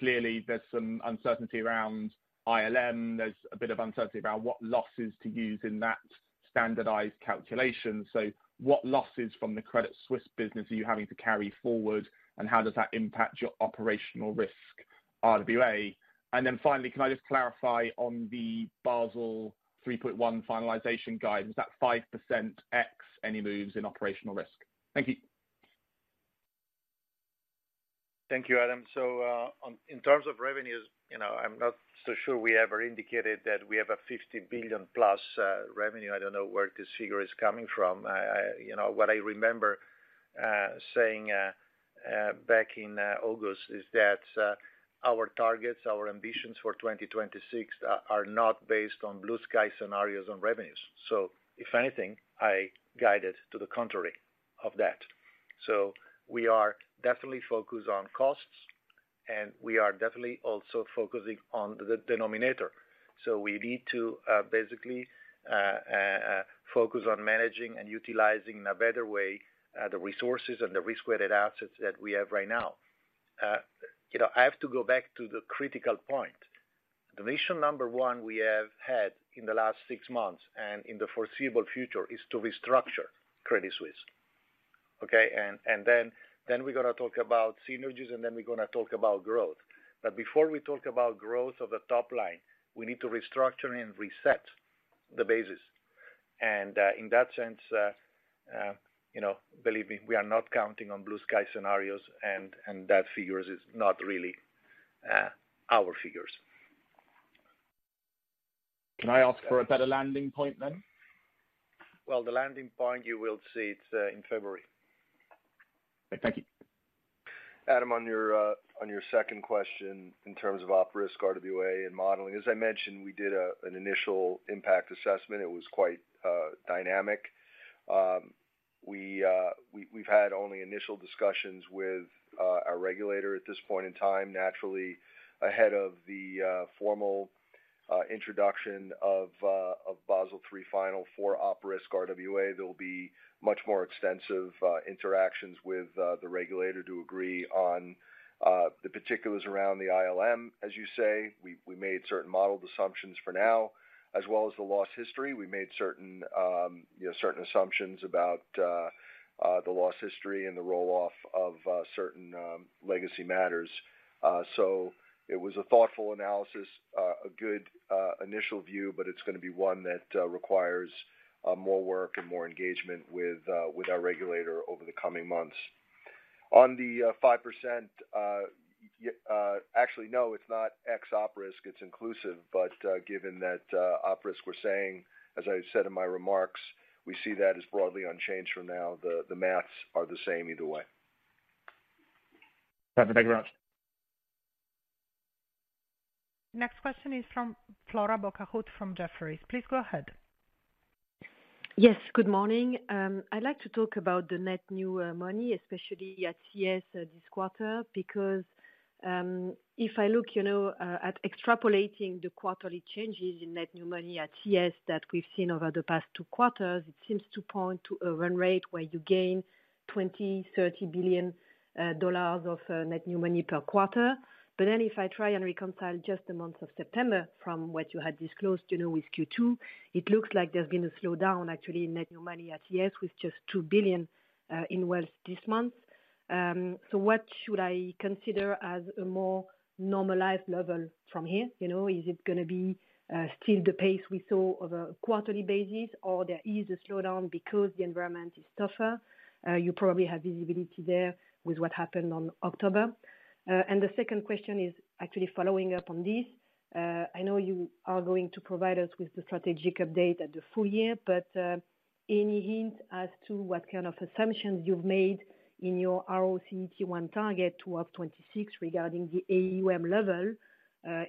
Clearly, there's some uncertainty around ILM. There's a bit of uncertainty about what losses to use in that standardized calculation. So what losses from the Credit Suisse business are you having to carry forward, and how does that impact your operational risk RWA? Then finally, can I just clarify on the Basel 3.1 finalization guide, is that 5% X, any moves in operational risk? Thank you. Thank you, Adam. So, in terms of revenues, you know, I'm not so sure we ever indicated that we have a $50 billion+ revenue. I don't know where this figure is coming from. You know, what I remember saying back in August is that our targets, our ambitions for 2026 are not based on blue sky scenarios on revenues. So if anything, I guided to the contrary of that. So we are definitely focused on costs, and we are definitely also focusing on the denominator. So we need to basically focus on managing and utilizing in a better way the resources and the risk-weighted assets that we have right now. You know, I have to go back to the critical point. The mission number one we have had in the last six months and in the foreseeable future is to restructure Credit Suisse. Okay? And then we're gonna talk about synergies, and then we're gonna talk about growth. But before we talk about growth of the top line, we need to restructure and reset the basis. And in that sense, you know, believe me, we are not counting on blue sky scenarios, and that figures is not really our figures. Can I ask for a better landing point then? Well, the landing point, you will see it in February. Thank you. Adam, on your second question, in terms of Op risk, RWA, and modeling, as I mentioned, we did an initial impact assessment. It was quite dynamic. We’ve had only initial discussions with our regulator at this point in time, naturally, ahead of the formal introduction of Basel III final for Op risk RWA. There will be much more extensive interactions with the regulator to agree on the particulars around the ILM, as you say. We made certain modeled assumptions for now, as well as the loss history. We made certain, you know, certain assumptions about the loss history and the roll-off of certain legacy matters. So it was a thoughtful analysis, a good initial view, but it's gonna be one that requires more work and more engagement with our regulator over the coming months. On the 5%, actually, no, it's not ex Op risk, it's inclusive, but given that op risk, we're saying, as I said in my remarks, we see that as broadly unchanged from now. The math is the same either way. Thank you very much. Next question is from Flora Bocahut from Jefferies. Please go ahead. Yes, good morning. I'd like to talk about the net new money, especially at CS this quarter, because if I look, you know, at extrapolating the quarterly changes in net new money at CS that we've seen over the past two quarters, it seems to point to a run rate where you gain $20 billion, $30 billion of net new money per quarter. But then if I try and reconcile just the month of September from what you had disclosed, you know, with Q2, it looks like there's been a slowdown actually in net new money at CS with just $2 billion in wealth this month. So what should I consider as a more normalized level from here? You know, is it gonna be, still the pace we saw over a quarterly basis, or there is a slowdown because the environment is tougher? You probably have visibility there with what happened on October. And the second question is actually following up on this. I know you are going to provide us with the strategic update at the full year, but, any hint as to what kind of assumptions you've made in your RoCET1 target to have in 2026 regarding the AUM level,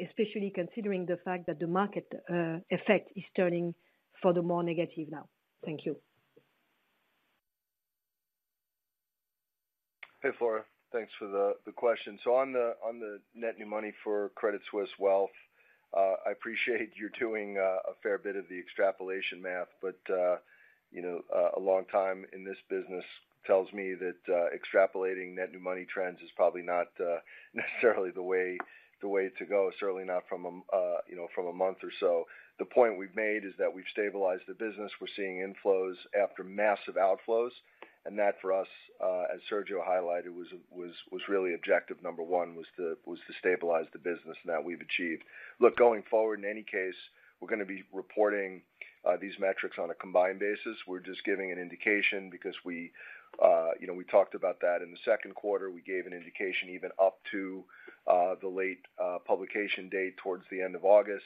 especially considering the fact that the market, effect is turning further more negative now? Thank you. Hey, Flora. Thanks for the question. So on the net new money for Credit Suisse Wealth, I appreciate you doing a fair bit of the extrapolation math, but, you know, a long time in this business tells me that extrapolating net new money trends is probably not necessarily the way to go, certainly not from a, you know, from a month or so. The point we've made is that we've stabilized the business. We're seeing inflows after massive outflows, and that for us, as Sergio highlighted, was really objective number one, was to stabilize the business, and that we've achieved. Look, going forward, in any case, we're going to be reporting these metrics on a combined basis. We're just giving an indication because we, you know, we talked about that in the second quarter. We gave an indication even up to the late publication date towards the end of August.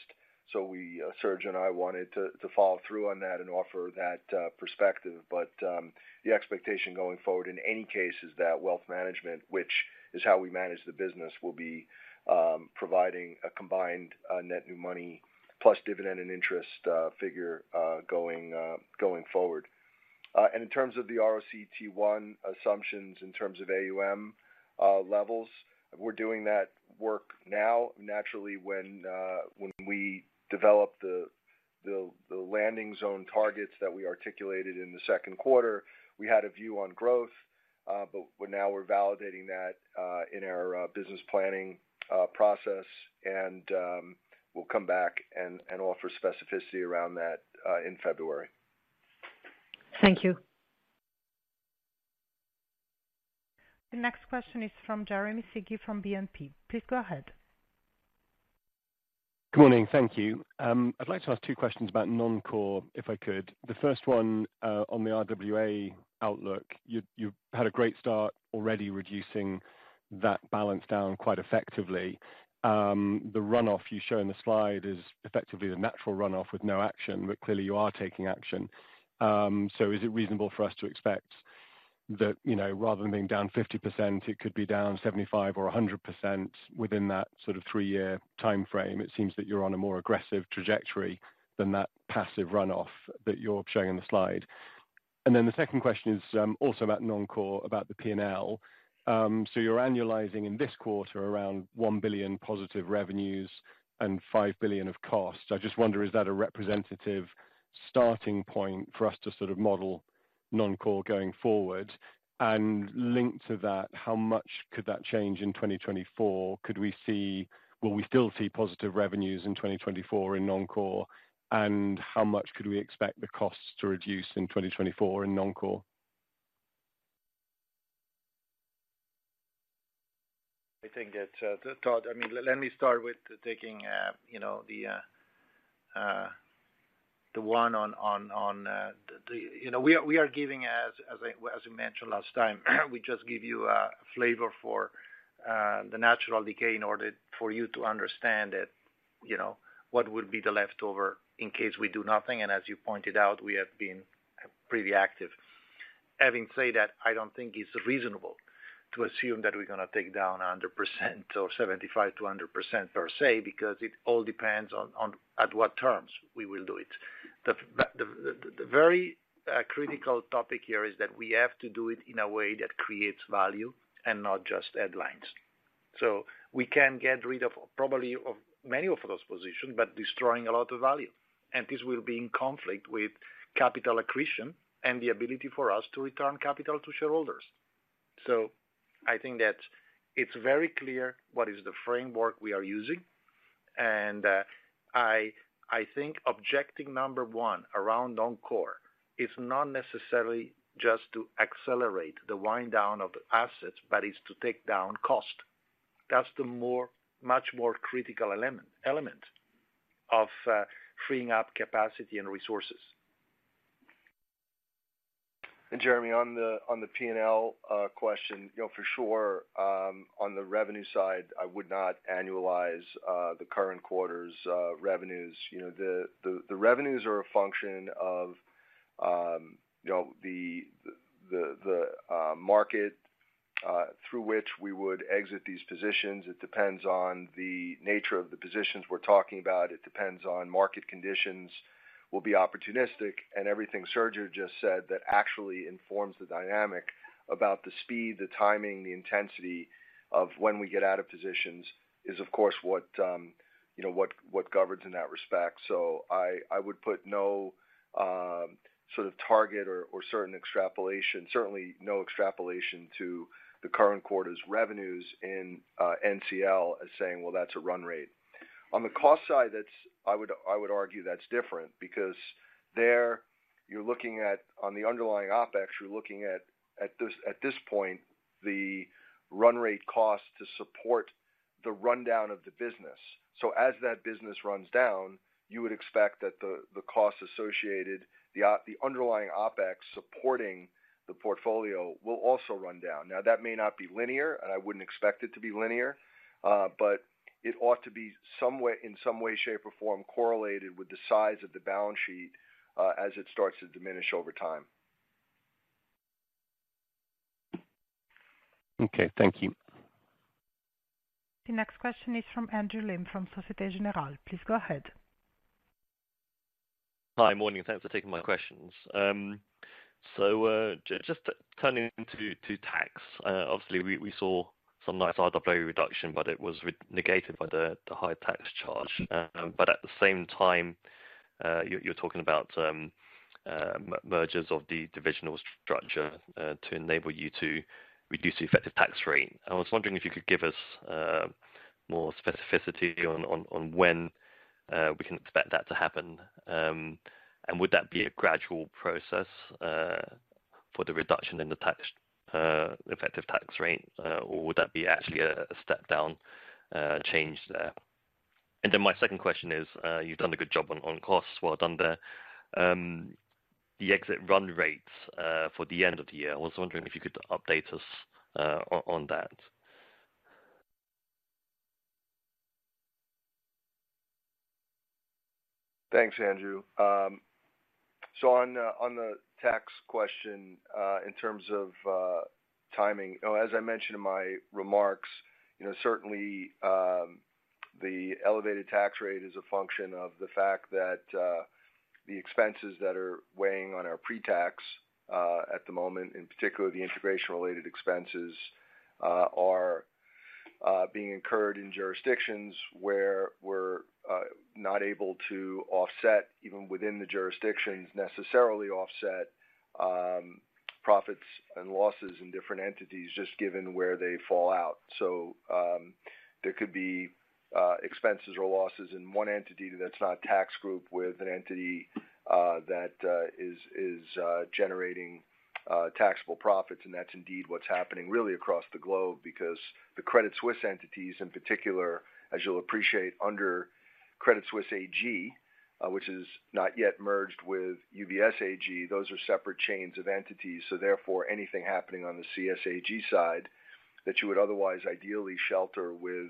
So we, Sergio and I wanted to follow through on that and offer that perspective. But the expectation going forward, in any case, is that Wealth Management, which is how we manage the business, will be providing a combined net new money plus dividend and interest figure going forward. And in terms of the RoCET1 assumptions, in terms of AUM levels, we're doing that work now. Naturally, when we developed the landing zone targets that we articulated in the second quarter, we had a view on growth, but now we're validating that in our business planning process, and we'll come back and offer specificity around that in February. Thank you. The next question is from Jeremy Sigee, from BNP. Please go ahead. Good morning. Thank you. I'd like to ask two questions about Non-Core, if I could. The first one, on the RWA outlook, you, you had a great start already reducing that balance down quite effectively. The runoff you show in the slide is effectively the natural runoff with no action, but clearly you are taking action. So is it reasonable for us to expect that, you know, rather than being down 50%, it could be down 75% or 100% within that sort of three-year timeframe? It seems that you're on a more aggressive trajectory than that passive runoff that you're showing in the slide. And then the second question is, also about Non-Core, about the P&L. So you're annualizing in this quarter around $1 billion positive revenues and $5 billion of costs. I just wonder, is that a representative starting point for us to sort of model Non-Core going forward? And linked to that, how much could that change in 2024? Could we see—will we still see positive revenues in 2024 in Non-Core, and how much could we expect the costs to reduce in 2024 in Non-Core? I think it's, Todd, I mean, let me start with taking, you know, the one on the. You know, we are giving, as we mentioned last time, we just give you a flavor for the natural decay in order for you to understand that, you know, what would be the leftover in case we do nothing. And as you pointed out, we have been pretty active. Having said that, I don't think it's reasonable to assume that we're going to take down 100% or 75%-100% per se, because it all depends on at what terms we will do it. The very critical topic here is that we have to do it in a way that creates value and not just headlines. So we can get rid of probably of many of those positions, but destroying a lot of value, and this will be in conflict with capital accretion and the ability for us to return capital to shareholders. So I think that it's very clear what is the framework we are using, and I think objective number one around non-core is not necessarily just to accelerate the wind down of assets, but it's to take down cost. That's the more, much more critical element of freeing up capacity and resources. Jeremy, on the P&L question, you know, for sure, on the revenue side, I would not annualize the current quarter's revenues. You know, the revenues are a function of, you know, the market through which we would exit these positions. It depends on the nature of the positions we're talking about. It depends on market conditions. We'll be opportunistic, and everything Sergio just said, that actually informs the dynamic about the speed, the timing, the intensity of when we get out of positions is, of course, what, you know, what governs in that respect. So I, I would put no sort of target or, or certain extrapolation, certainly no extrapolation to the current quarter's revenues in NCL as saying, "Well, that's a run rate." On the cost side, that's. I would, I would argue that's different because there, you're looking at, on the underlying OpEx, you're looking at, at this, at this point, the run rate cost to support the rundown of the business. So as that business runs down, you would expect that the, the costs associated, the underlying OpEx supporting the portfolio will also run down. Now, that may not be linear, and I wouldn't expect it to be linear, but it ought to be some way, in some way, shape, or form correlated with the size of the balance sheet, as it starts to diminish over time. Okay, thank you. The next question is from Andrew Lim, from Societe Generale. Please go ahead. Hi, morning. Thanks for taking my questions. So, just turning to tax, obviously, we saw some nice RWA reduction, but it was negated by the high tax charge. But at the same time, you're talking about mergers of the divisional structure to enable you to reduce the effective tax rate. I was wondering if you could give us more specificity on when we can expect that to happen. And would that be a gradual process for the reduction in the tax effective tax rate, or would that be actually a step-down change there? And then my second question is, you've done a good job on costs, well done there. The exit run rates for the end of the year, I was wondering if you could update us on that. Thanks, Andrew. So on the tax question, in terms of timing, as I mentioned in my remarks, you know, certainly, the elevated tax rate is a function of the fact that the expenses that are weighing on our pre-tax at the moment, in particular, the integration-related expenses, are being incurred in jurisdictions where we're not able to offset, even within the jurisdictions, necessarily offset, profits and losses in different entities, just given where they fall out. So, there could be expenses or losses in one entity that's not a tax group with an entity that is generating taxable profits. That's indeed what's happening really across the globe, because the Credit Suisse entities, in particular, as you'll appreciate, under Credit Suisse AG, which is not yet merged with UBS AG, those are separate chains of entities. So therefore, anything happening on the CSAG side that you would otherwise ideally shelter with,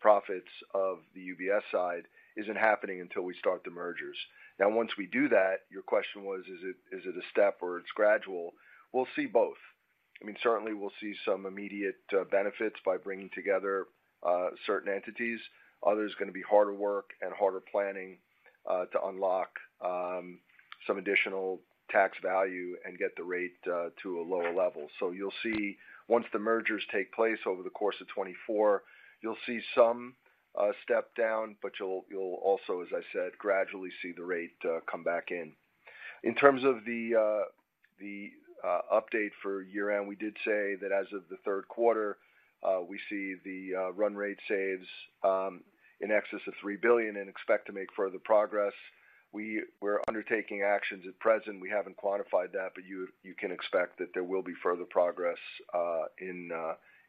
profits of the UBS side, isn't happening until we start the mergers. Now, once we do that, your question was, is it, is it a step or it's gradual? We'll see both. I mean, certainly we'll see some immediate, benefits by bringing together, certain entities. Others are going to be harder work and harder planning, to unlock, some additional tax value and get the rate, to a lower level. So you'll see, once the mergers take place over the course of 2024, you'll see some step down, but you'll also, as I said, gradually see the rate come back in. In terms of the update for year-end, we did say that as of the third quarter, we see the run rate saves in excess of $3 billion and expect to make further progress. We're undertaking actions at present. We haven't quantified that, but you can expect that there will be further progress in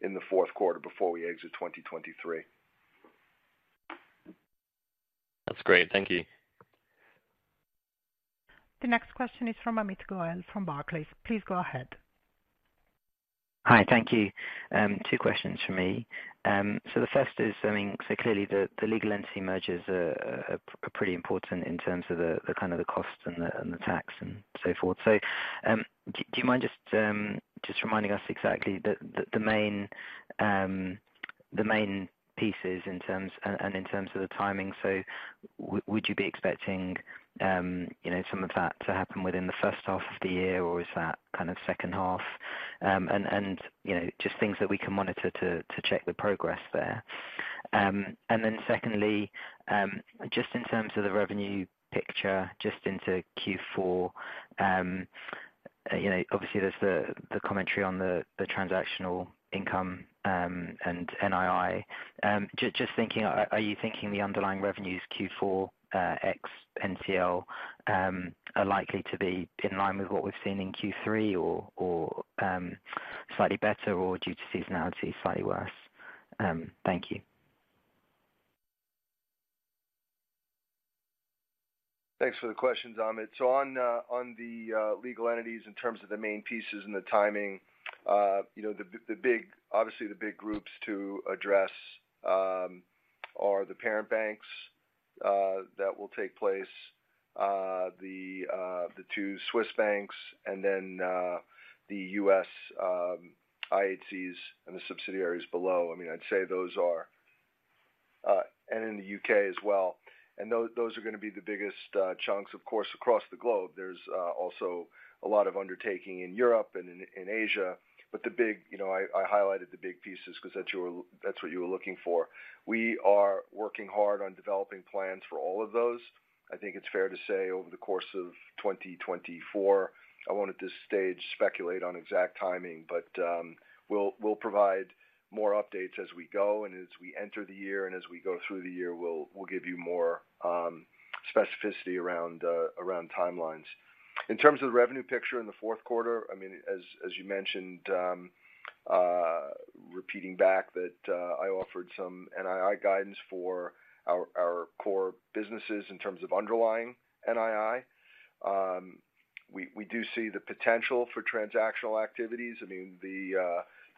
the fourth quarter before we exit 2023. That's great. Thank you. The next question is from Amit Goel from Barclays. Please go ahead. Hi, thank you. Two questions from me. So the first is, I mean, so clearly the legal entity mergers are pretty important in terms of the kind of the cost and the tax and so forth. So, do you mind just reminding us exactly the main pieces in terms - and in terms of the timing, so would you be expecting, you know, some of that to happen within the first half of the year, or is that kind of second half? And, you know, just things that we can monitor to check the progress there. And then secondly, just in terms of the revenue picture, just into Q4, you know, obviously, there's the commentary on the transactional income, and NII. Just thinking, are you thinking the underlying revenues Q4 ex NCL are likely to be in line with what we've seen in Q3 or slightly better, or due to seasonality, slightly worse? Thank you. Thanks for the questions, Amit. So on the legal entities, in terms of the main pieces and the timing, you know, obviously the big groups to address are the parent banks that will take place, the two Swiss banks and then the U.S. IHCs and the subsidiaries below. I mean, I'd say those are, and in the U.K. as well, and those are gonna be the biggest chunks. Of course, across the globe, there's also a lot of undertaking in Europe and in Asia. But the big, you know, I highlighted the big pieces because that's what you were, that's what you were looking for. We are working hard on developing plans for all of those. I think it's fair to say, over the course of 2024, I won't at this stage speculate on exact timing, but we'll provide more updates as we go and as we enter the year and as we go through the year, we'll give you more specificity around timelines. In terms of the revenue picture in the fourth quarter, I mean, as you mentioned, repeating back that I offered some NII guidance for our core businesses in terms of underlying NII. We do see the potential for transactional activities. I mean, you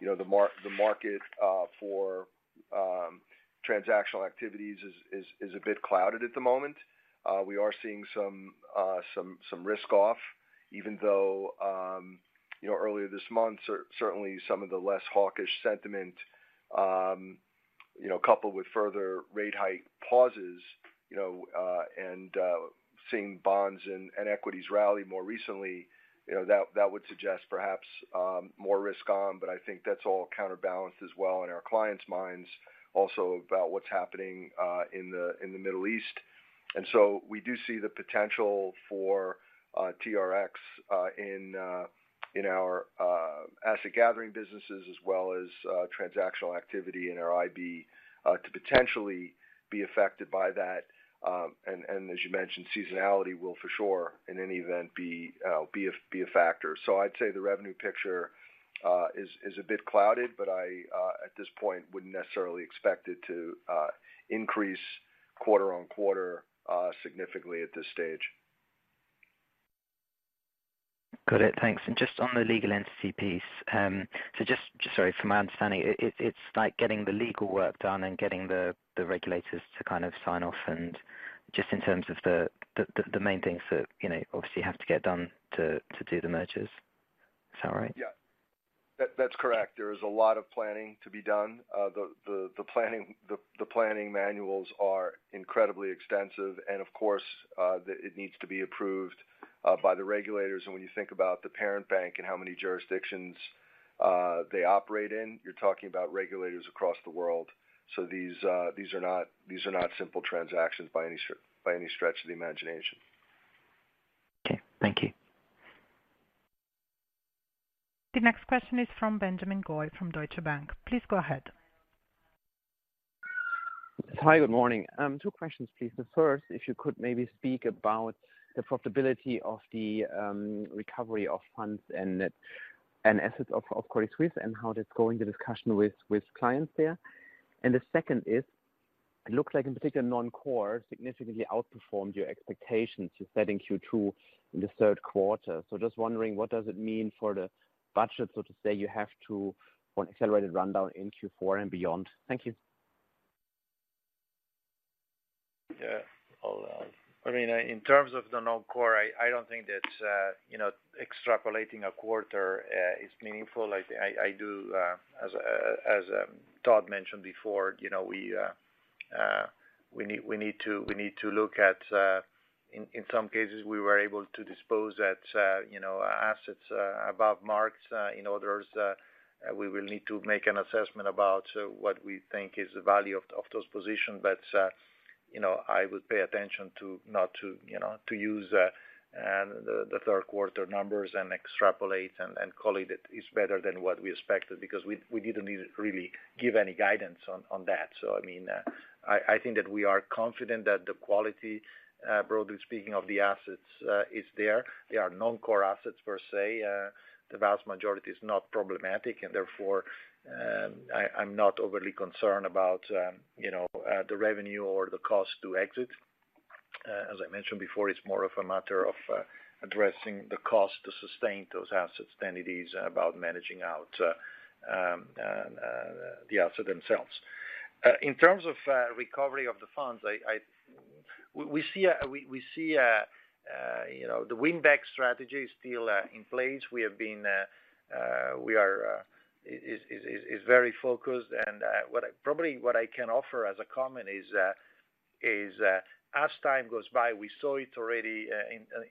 know, the market for transactional activities is a bit clouded at the moment. We are seeing some risk off, even though, you know, earlier this month, certainly some of the less hawkish sentiment, you know, coupled with further rate hike pauses, you know, and seeing bonds and equities rally more recently, you know, that would suggest perhaps more risk on, but I think that's all counterbalanced as well in our clients' minds, also about what's happening in the Middle East. And so we do see the potential for TRX in our asset gathering businesses, as well as transactional activity in our IB, to potentially be affected by that. And as you mentioned, seasonality will for sure, in any event, be a factor. So I'd say the revenue picture is a bit clouded, but I at this point wouldn't necessarily expect it to increase quarter on quarter significantly at this stage. Got it. Thanks. And just on the legal entity piece, so just from my understanding, it's like getting the legal work done and getting the regulators to kind of sign off and just in terms of the main things that, you know, obviously have to get done to do the mergers. Is that right? Yeah. That, that's correct. There is a lot of planning to be done. The planning manuals are incredibly extensive, and of course, it needs to be approved by the regulators. And when you think about the parent bank and how many jurisdictions they operate in, you're talking about regulators across the world. So these are not simple transactions by any stretch of the imagination. Okay, thank you. The next question is from Benjamin Goy from Deutsche Bank. Please go ahead. Hi, good morning. Two questions, please. The first, if you could maybe speak about the profitability of the recovery of funds and assets of Credit Suisse and how that's going, the discussion with clients there. And the second is, it looks like in particular, non-core significantly outperformed your expectations to setting Q2 in the third quarter. So just wondering, what does it mean for the budget, so to say, you have to want accelerated rundown in Q4 and beyond? Thank you. Yeah. I mean, in terms of the non-core, I don't think that, you know, extrapolating a quarter is meaningful. I do, as Todd mentioned before, you know, we need to look at, in some cases, we were able to dispose at, you know, assets above marks. In others, we will need to make an assessment about what we think is the value of those positions. But, you know, I would pay attention to not use the third quarter numbers and extrapolate and call it, it's better than what we expected, because we didn't need to really give any guidance on that. So, I mean, I think that we are confident that the quality, broadly speaking, of the assets, is there. They are non-core assets per se. The vast majority is not problematic, and therefore, I'm not overly concerned about, you know, the revenue or the cost to exit. As I mentioned before, it's more of a matter of, addressing the cost to sustain those assets than it is about managing out, the asset themselves. In terms of, recovery of the funds, we see a, you know, the win back strategy is still, in place. We have been, we are very focused. What I probably can offer as a comment is, as time goes by, we saw it already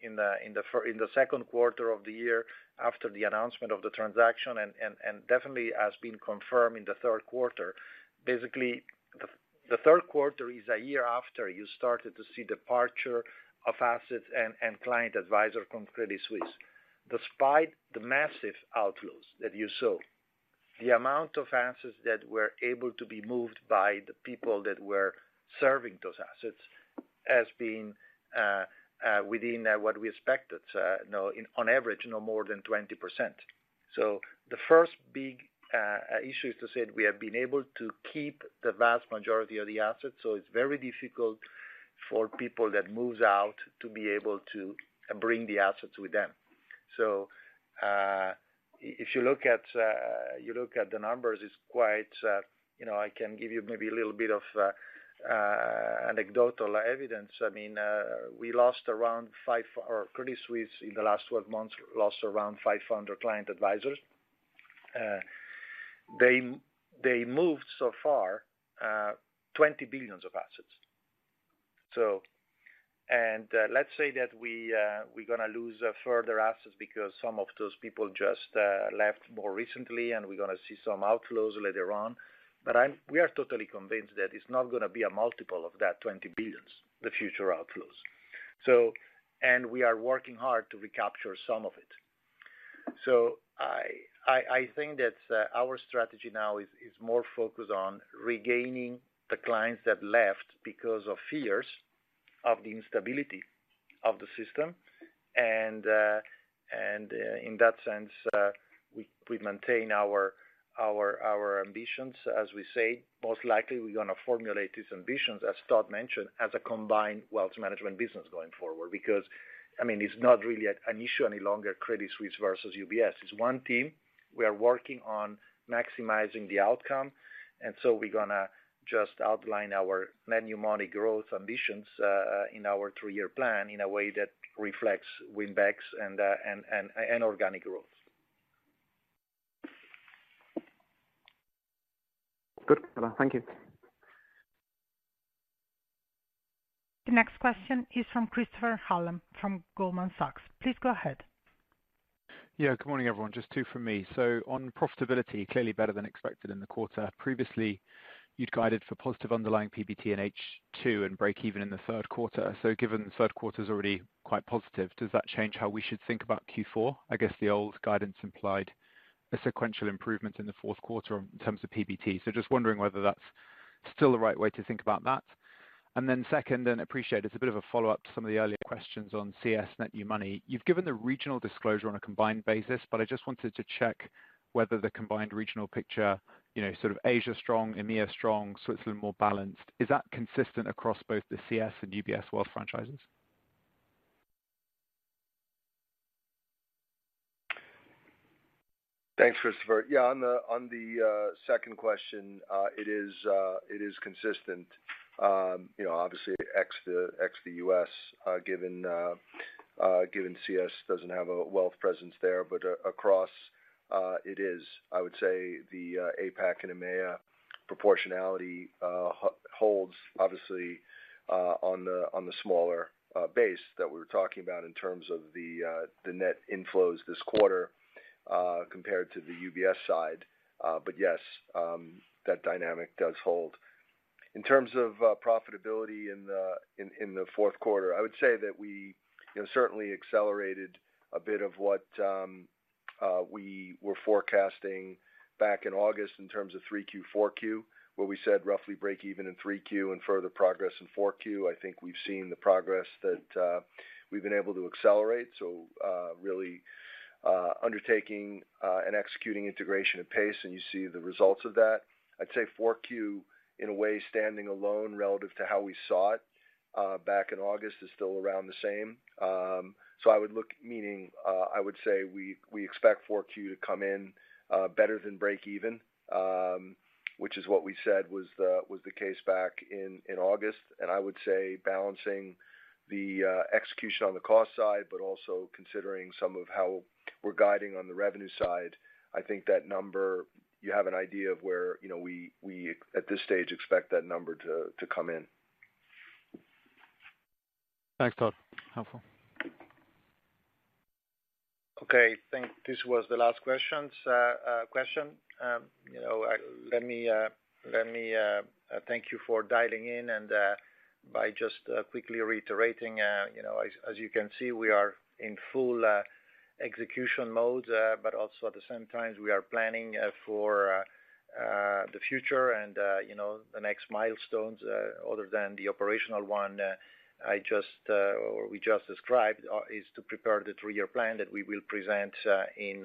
in the second quarter of the year after the announcement of the transaction, and definitely has been confirmed in the third quarter. Basically, the third quarter is a year after you started to see departure of assets and client advisor from Credit Suisse. Despite the massive outflows that you saw, the amount of assets that were able to be moved by the people that were serving those assets has been within what we expected. You know, on average, no more than 20%. The first big issue is to say we have been able to keep the vast majority of the assets, so it's very difficult for people that moves out to be able to bring the assets with them. So, if you look at the numbers, it's quite, you know, I can give you maybe a little bit of anecdotal evidence. I mean, Credit Suisse, in the last 12 months, lost around 500 client advisors. They moved so far $20 billion of assets. So, and, let's say that we, we're gonna lose further assets because some of those people just left more recently, and we're gonna see some outflows later on. But we are totally convinced that it's not gonna be a multiple of that $20 billion, the future outflows. So, and we are working hard to recapture some of it. So I think that our strategy now is more focused on regaining the clients that left because of fears of the instability of the system. And in that sense, we maintain our ambitions, as we say. Most likely, we're gonna formulate these ambitions, as Todd mentioned, as a combined Wealth Management business going forward. Because, I mean, it's not really an issue any longer, Credit Suisse versus UBS. It's one team. We are working on maximizing the outcome, and so we're gonna just outline our net new money growth ambitions in our three-year plan, in a way that reflects win backs and organic growth. Good. Thank you. The next question is from Christopher Hallam, from Goldman Sachs. Please go ahead. Yeah, good morning, everyone. Just two from me. So on profitability, clearly better than expected in the quarter. Previously, you'd guided for positive underlying PBT in H2 and breakeven in the third quarter. So given the third quarter's already quite positive, does that change how we should think about Q4? I guess the old guidance implied a sequential improvement in the fourth quarter in terms of PBT. So just wondering whether that's still the right way to think about that. And then second, and appreciate, it's a bit of a follow-up to some of the earlier questions on CS net new money. You've given the regional disclosure on a combined basis, but I just wanted to check whether the combined regional picture, you know, sort of Asia strong, EMEA strong, Switzerland more balanced. Is that consistent across both the CS and UBS wealth franchises? Thanks, Christopher. Yeah, on the second question, it is consistent. You know, obviously, ex the U.S., given CS doesn't have a wealth presence there, but across, it is. I would say, the APAC and EMEA proportionality holds, obviously, on the smaller base that we were talking about in terms of the net inflows this quarter, compared to the UBS side. But yes, that dynamic does hold. In terms of profitability in the fourth quarter, I would say that we, you know, certainly accelerated a bit of what we were forecasting back in August in terms of 3Q, 4Q, where we said roughly breakeven in 3Q and further progress in 4Q. I think we've seen the progress that we've been able to accelerate, so really undertaking and executing integration at pace, and you see the results of that. I'd say Q4, in a way, standing alone relative to how we saw it back in August, is still around the same. So I would look, meaning, I would say we expect Q4 to come in better than breakeven, which is what we said was the case back in August. And I would say balancing the execution on the cost side, but also considering some of how we're guiding on the revenue side, I think that number, you have an idea of where, you know, we at this stage, expect that number to come in. Thanks, Todd. Helpful. Okay. I think this was the last question. You know, let me thank you for dialing in, and by just quickly reiterating, you know, as you can see, we are in full execution mode, but also at the same time, we are planning for the future and, you know, the next milestones, other than the operational one we just described, is to prepare the three-year plan that we will present in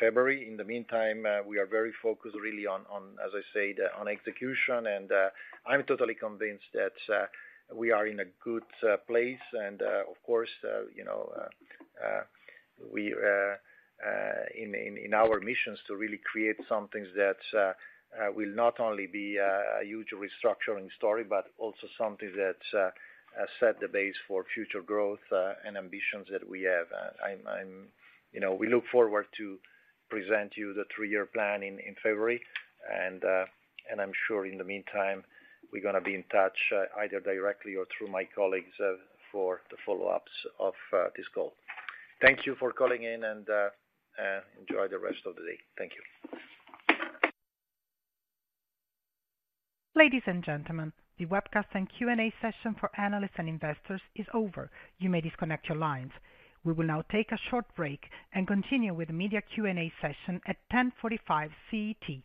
February. In the meantime, we are very focused really on, as I said, on execution, and I'm totally convinced that we are in a good place. Of course, you know, we in our missions to really create something that will not only be a huge restructuring story, but also something that set the base for future growth and ambitions that we have. I'm you know, we look forward to present you the three-year plan in February, and I'm sure in the meantime, we're gonna be in touch, either directly or through my colleagues, for the follow-ups of this call. Thank you for calling in, and enjoy the rest of the day. Thank you. Ladies and gentlemen, the webcast and Q&A session for analysts and investors is over. You may disconnect your lines. We will now take a short break and continue with the media Q&A session at 10:45 CET.